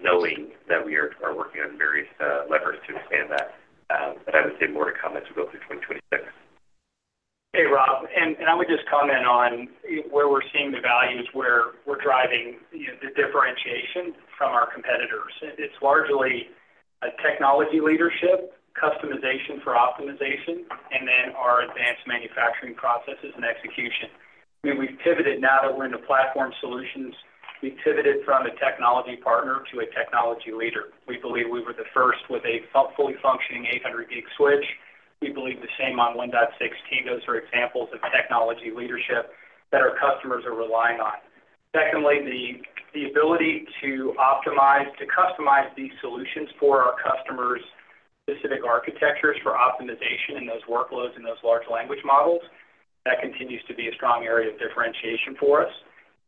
knowing that we are working on various levers to expand that. I would say more to come as we go through 2026. Hey, Rob. I would just comment on where we're seeing the values, where we're driving the differentiation from our competitors. It's largely a technology leadership, customization for optimization, and then our advanced manufacturing processes and execution. We've pivoted now that we're into platform solutions. We pivoted from a technology partner to a technology leader. We believe we were the first with a fully functioning 800G switch. We believe the same on 1.6T. Those are examples of technology leadership that our customers are relying on. The ability to optimize, to customize these solutions for our customers' specific architectures for optimization in those workloads and those large language models, that continues to be a strong area of differentiation for us.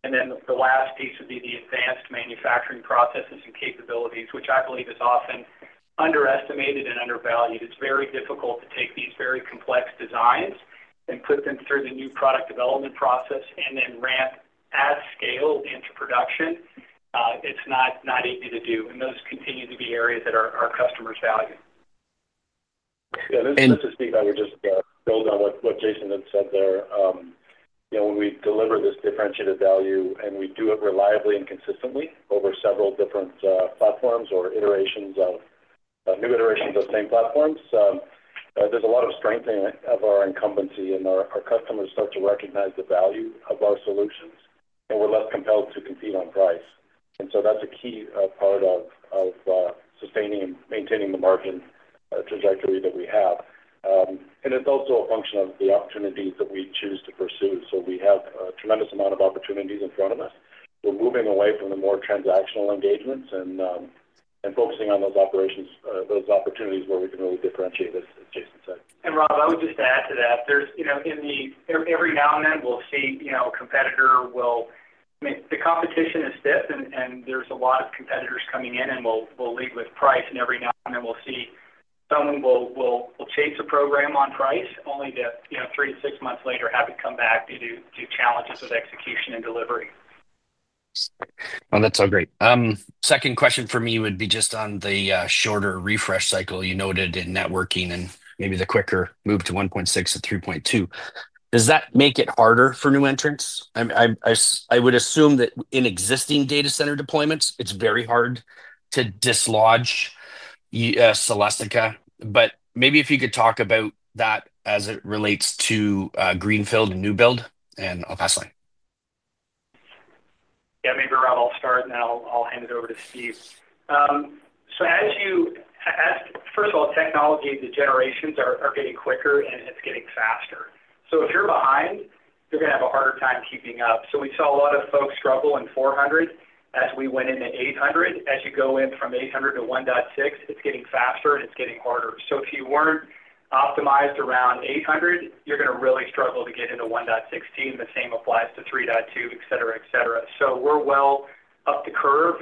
The last piece would be the advanced manufacturing processes and capabilities, which I believe is often underestimated and undervalued. It's very difficult to take these very complex designs and put them through the new product development process and then ramp at scale into production. It's not easy to do. Those continue to be areas that our customers value. Yeah, this is Steve. I would just build on what Jason had said there. When we deliver this differentiated value and we do it reliably and consistently over several different platforms or iterations of new iterations of same platforms, there's a lot of strengthening of our incumbency. Our customers start to recognize the value of our solutions. We're less compelled to compete on price. That's a key part of sustaining and maintaining the margin trajectory that we have. It's also a function of the opportunities that we choose to pursue. We have a tremendous amount of opportunities in front of us. We're moving away from the more transactional engagements and focusing on those opportunities where we can really differentiate, as Jason said. Rob, I would just add to that. Every now and then, we'll see a competitor. The competition is stiff, and there's a lot of competitors coming in. We'll lead with price, and every now and then, we'll see someone chase a program on price, only to three to six months later have it come back due to challenges with execution and delivery. That's all great. Second question for me would be just on the shorter refresh cycle you noted in networking and maybe the quicker move to 1.6T-3.2T. Does that make it harder for new entrants? I would assume that in existing data center deployments, it's very hard to dislodge Celestica. Maybe if you could talk about that as it relates to greenfield and new build. I'll pass the line. Yeah, maybe Rob, I'll start. I'll hand it over to Steve. First of all, technology, the generations are getting quicker and it's getting faster. If you're behind, you're going to have a harder time keeping up. We saw a lot of folks struggle in 400 as we went into 800. As you go in from 800 to 1.6, it's getting faster and it's getting harder. If you weren't optimized around 800, you're going to really struggle to get into 1.6. The same applies to 3.2, etc. We're well up the curve.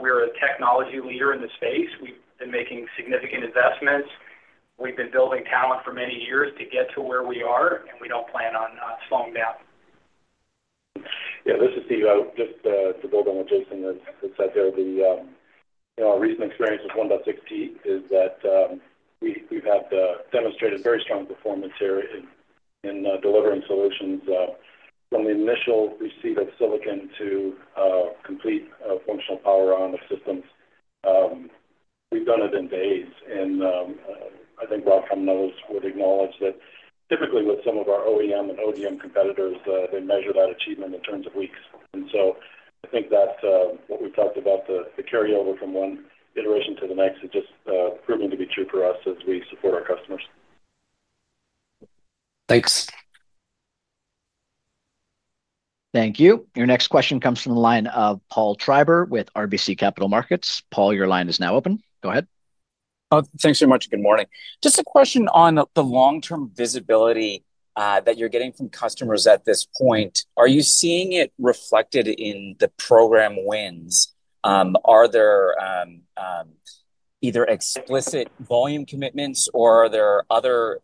We're a technology leader in the space. We've been making significant investments. We've been building talent for many years to get to where we are. We don't plan on slowing down. Yeah, this is Steve. Just to build on what Jason had said there, our recent experience with 1.6T is that we've had demonstrated very strong performance here in delivering solutions. From the initial receipt of silicon to complete functional power on of systems, we've done it in days. I think Rob from those would acknowledge that typically with some of our OEM and ODM competitors, they measure that achievement in terms of weeks. I think that what we've talked about, the carryover from one iteration to the next, is just proving to be true for us as we support our customers. Thanks. Thank you. Your next question comes from the line of Paul Treiber with RBC Capital Markets. Paul, your line is now open. Go ahead. Thanks very much. Good morning. Just a question on the long-term visibility that you're getting from customers at this point. Are you seeing it reflected in the program wins? Are there either explicit volume commitments or are there other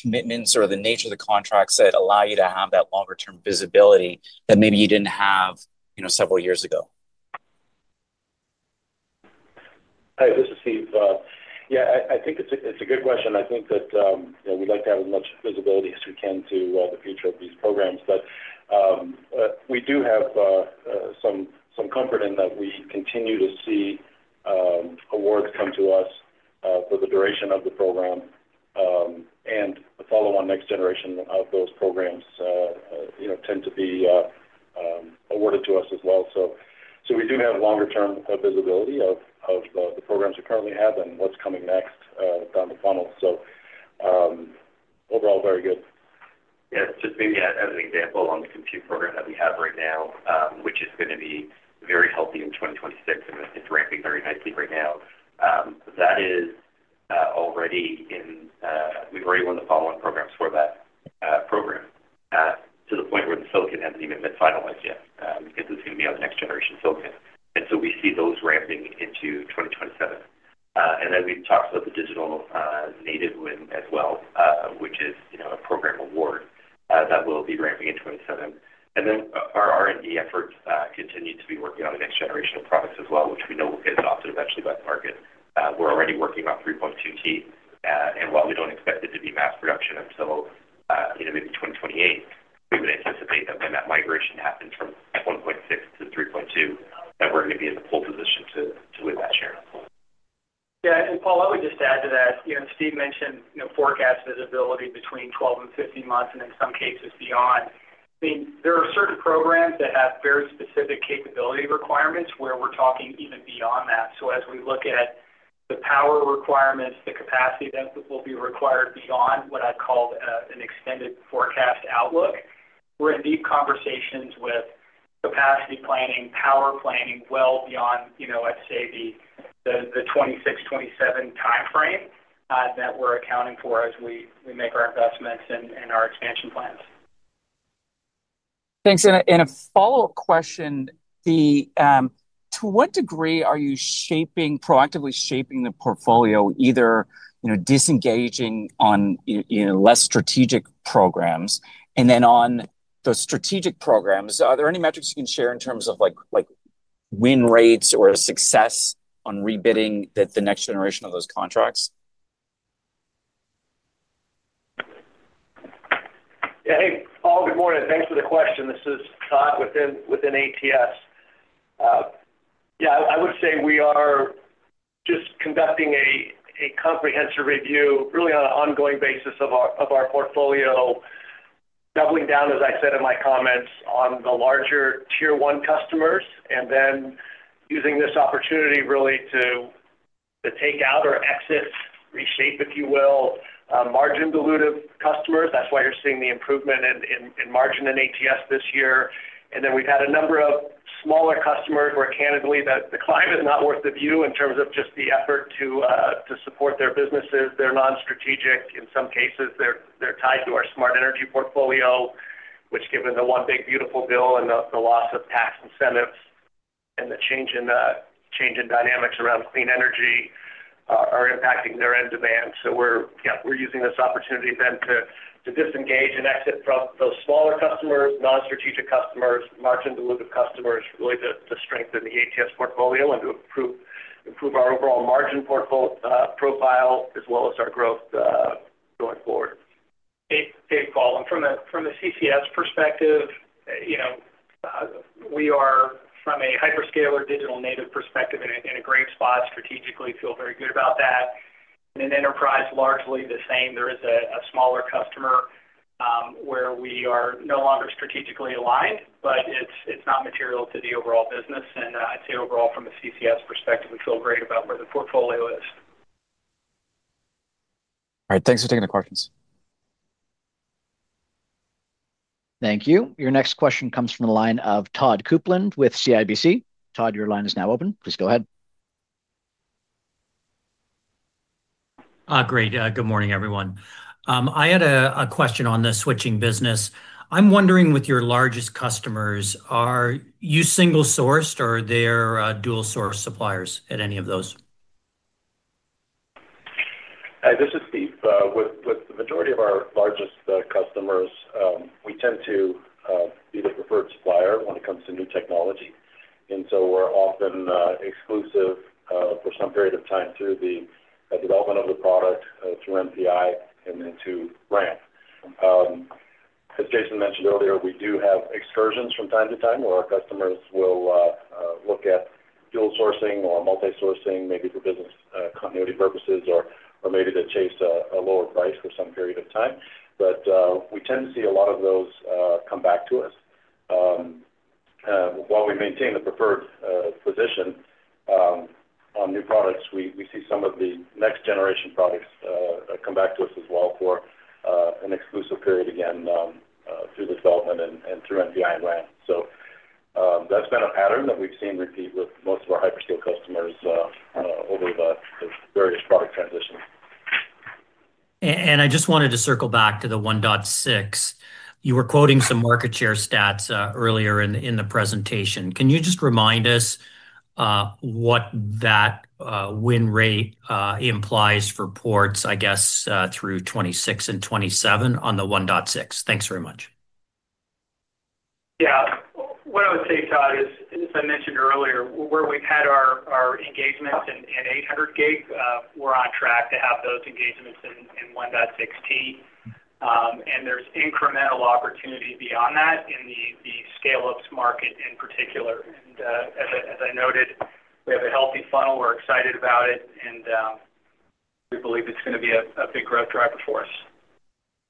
commitments or the nature of the contracts that allow you to have that longer-term visibility that maybe you didn't have several years ago? Hi, this is Steve. I think it's a good question. I think that we'd like to have as much visibility as we can to the future of these programs. We do have some comfort in that we continue to see awards come to us for the duration of the program, and the follow-on next generation of those programs tend to be awarded to us as well. We do have longer-term visibility of the programs we currently have and what's coming next down the funnel. Overall, very good. Yeah. Just maybe as an example on the compute program that we have right now, which is going to be very healthy in 2026, and it's ramping very nicely right now. That is already in, we've already won the follow-on programs for that program to the point where the silicon hasn't even been finalized yet because it's going to be on the next generation of silicon. We see those ramping into 2027. We've talked about the digital native win as well, which is, you know, a program award that will be ramping in 2027. Our R&D efforts continue to be working on the next generation of products as well, which we know will get adopted eventually by the market. We're already working on 3.2T. While we don't expect it to be mass production until, you know, maybe 2028, we would anticipate that when that migration happens from 1.6T-3.2T, we're going to be in the pull position to win that share. Yeah. Paul, I would just add to that. Steve mentioned, you know, forecast visibility between 12 and 15 months and in some cases beyond. There are certain programs that have very specific capability requirements where we're talking even beyond that. As we look at the power requirements, the capacity that will be required beyond what I've called an extended forecast outlook, we're in deep conversations with capacity planning, power planning well beyond, you know, I'd say the 2026, 2027 timeframe that we're accounting for as we make our investments and our expansion plans. Thanks. I have a followup question. To what degree are you proactively shaping the portfolio, either disengaging on less strategic programs? On those strategic programs, are there any metrics you can share in terms of like win rates or success on rebidding the next generation of those contracts? Yeah, hey, Paul, good morning. Thanks for the question. This is Todd within ATS. I would say we are just conducting a comprehensive review really on an ongoing basis of our portfolio, doubling down, as I said in my comments, on the larger Tier 1 customers and then using this opportunity really to take out or exit, reshape, if you will, margin dilutive customers. That is why you're seeing the improvement in margin in ATS this year. We have had a number of smaller customers where candidly the climate is not worth the view in terms of just the effort to support their businesses. They're non-strategic. In some cases, they're tied to our smart energy portfolio, which given the one big beautiful bill and the loss of tax incentives and the change in dynamics around clean energy are impacting their end demand. We are using this opportunity then to disengage and exit from those smaller customers, non-strategic customers, margin dilutive customers really to strengthen the ATS portfolio and to improve our overall margin profile as well as our growth going forward. Hey, Paul. From a CCS perspective, you know, we are from a hyperscaler digital native perspective in a great spot strategically. Feel very good about that. In enterprise, largely the same. There is a smaller customer where we are no longer strategically aligned, but it's not material to the overall business. I would say overall from a CCS perspective, we feel great about where the portfolio is. All right, thanks for taking the questions. Thank you. Your next question comes from the line of Todd Coupland with CIBC. Todd, your line is now open. Please go ahead. Great. Good morning, everyone. I had a question on the switching business. I'm wondering, with your largest customers, are you single-sourced or are there dual-sourced suppliers at any of those? Hi, this is Steve. With the majority of our largest customers, we tend to be the preferred supplier when it comes to new technology. We are often exclusive for some period of time through the development of the product through MPI and then to ramp. As Jason mentioned earlier, we do have excursions from time to time where our customers will look at dual sourcing or multi-sourcing, maybe for business continuity purposes or maybe to chase a lower price for some period of time. We tend to see a lot of those come back to us. While we maintain the preferred position on new products, we see some of the next generation products come back to us as well for an exclusive period again through the development and through MPI and ramp. That has been a pattern that we've seen repeat with most of our hyperscale customers over the various product transitions. I just wanted to circle back to the 1.6T. You were quoting some market share stats earlier in the presentation. Can you just remind us what that win rate implies for ports, I guess, through 2026 and 2027 on the 1.6T? Thanks very much. What I would say, Todd, is as I mentioned earlier, where we've had our engagements in 800G, we're on track to have those engagements in 1.6T. There's incremental opportunity beyond that in the scale-up market in particular. As I noted, we have a healthy funnel. We're excited about it, and we believe it's going to be a big growth driver for us.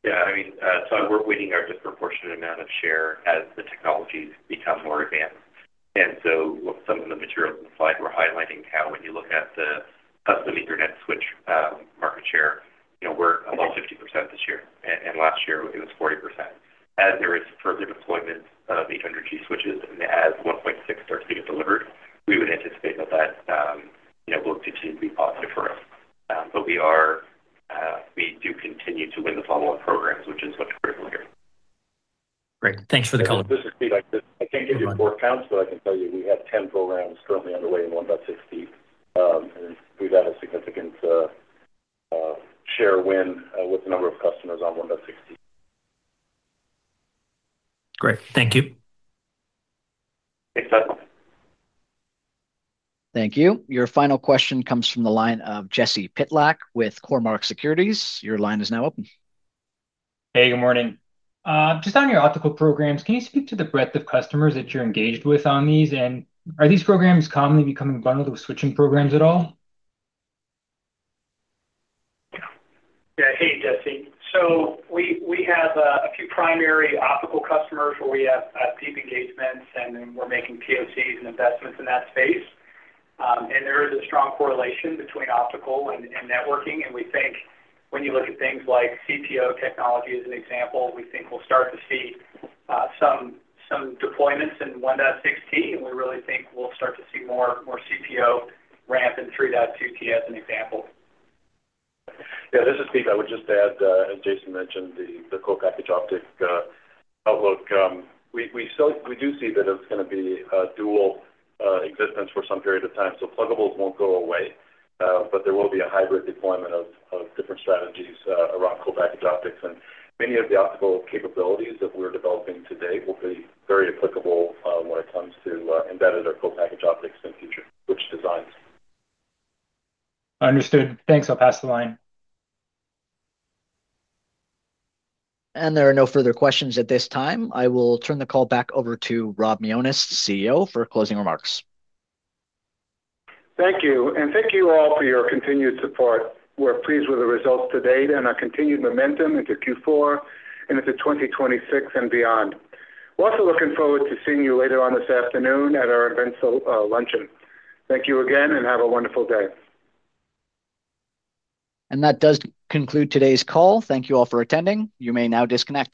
Yeah. I mean, Todd, we're winning our disproportionate amount of share as the technologies become more advanced. Some of the materials on the slide were highlighting how when you look at the custom Ethernet switch market share, we're above 50% this year. Last year, it was 40%. As there is further deployment of 800G switches and as 1.6T starts to get delivered, we would anticipate that that will continue to be positive for us. We do continue to win the follow-on programs, which is what's critical here. Great. Thanks for the comment. This is Steve. I can't give you a forecast, but I can tell you we have 10 programs currently underway in 1.6T. We've had a significant share win with a number of customers on 1.6T. Great. Thank you. Thanks, Todd. Thank you. Your final question comes from the line of Jesse Pytlak with Cormark Securities. Your line is now open. Hey, good morning. Just on your Optical programs, can you speak to the breadth of customers that you're engaged with on these? Are these programs commonly becoming bundled with switching programs at all? Yeah. Hey, Jesse. We have a few primary Optical customers where we have deep engagements. We're making POCs and investments in that space. There is a strong correlation between Optical and networking. We think when you look at things like CPO technology as an example, we'll start to see some deployments in 1.6T. We really think we'll start to see more CPO ramp in 3.2T as an example. Yeah, this is Steve. I would just add, as Jason mentioned, the co-package optic outlook. We do see that it's going to be a dual existence for some period of time. Plugables won't go away, but there will be a hybrid deployment of different strategies around co-package optics. Many of the optical capabilities that we're developing today will be very applicable when it comes to embedded or co-package optics in future switch designs. Understood. Thanks. I'll pass the line. There are no further questions at this time. I will turn the call back over to Rob Mionis, CEO, for closing remarks. Thank you. Thank you all for your continued support. We're pleased with the results to date and our continued momentum into Q4 and into 2026 and beyond. We're also looking forward to seeing you later on this afternoon at our events luncheon. Thank you again and have a wonderful day. That does conclude today's call. Thank you all for attending. You may now disconnect.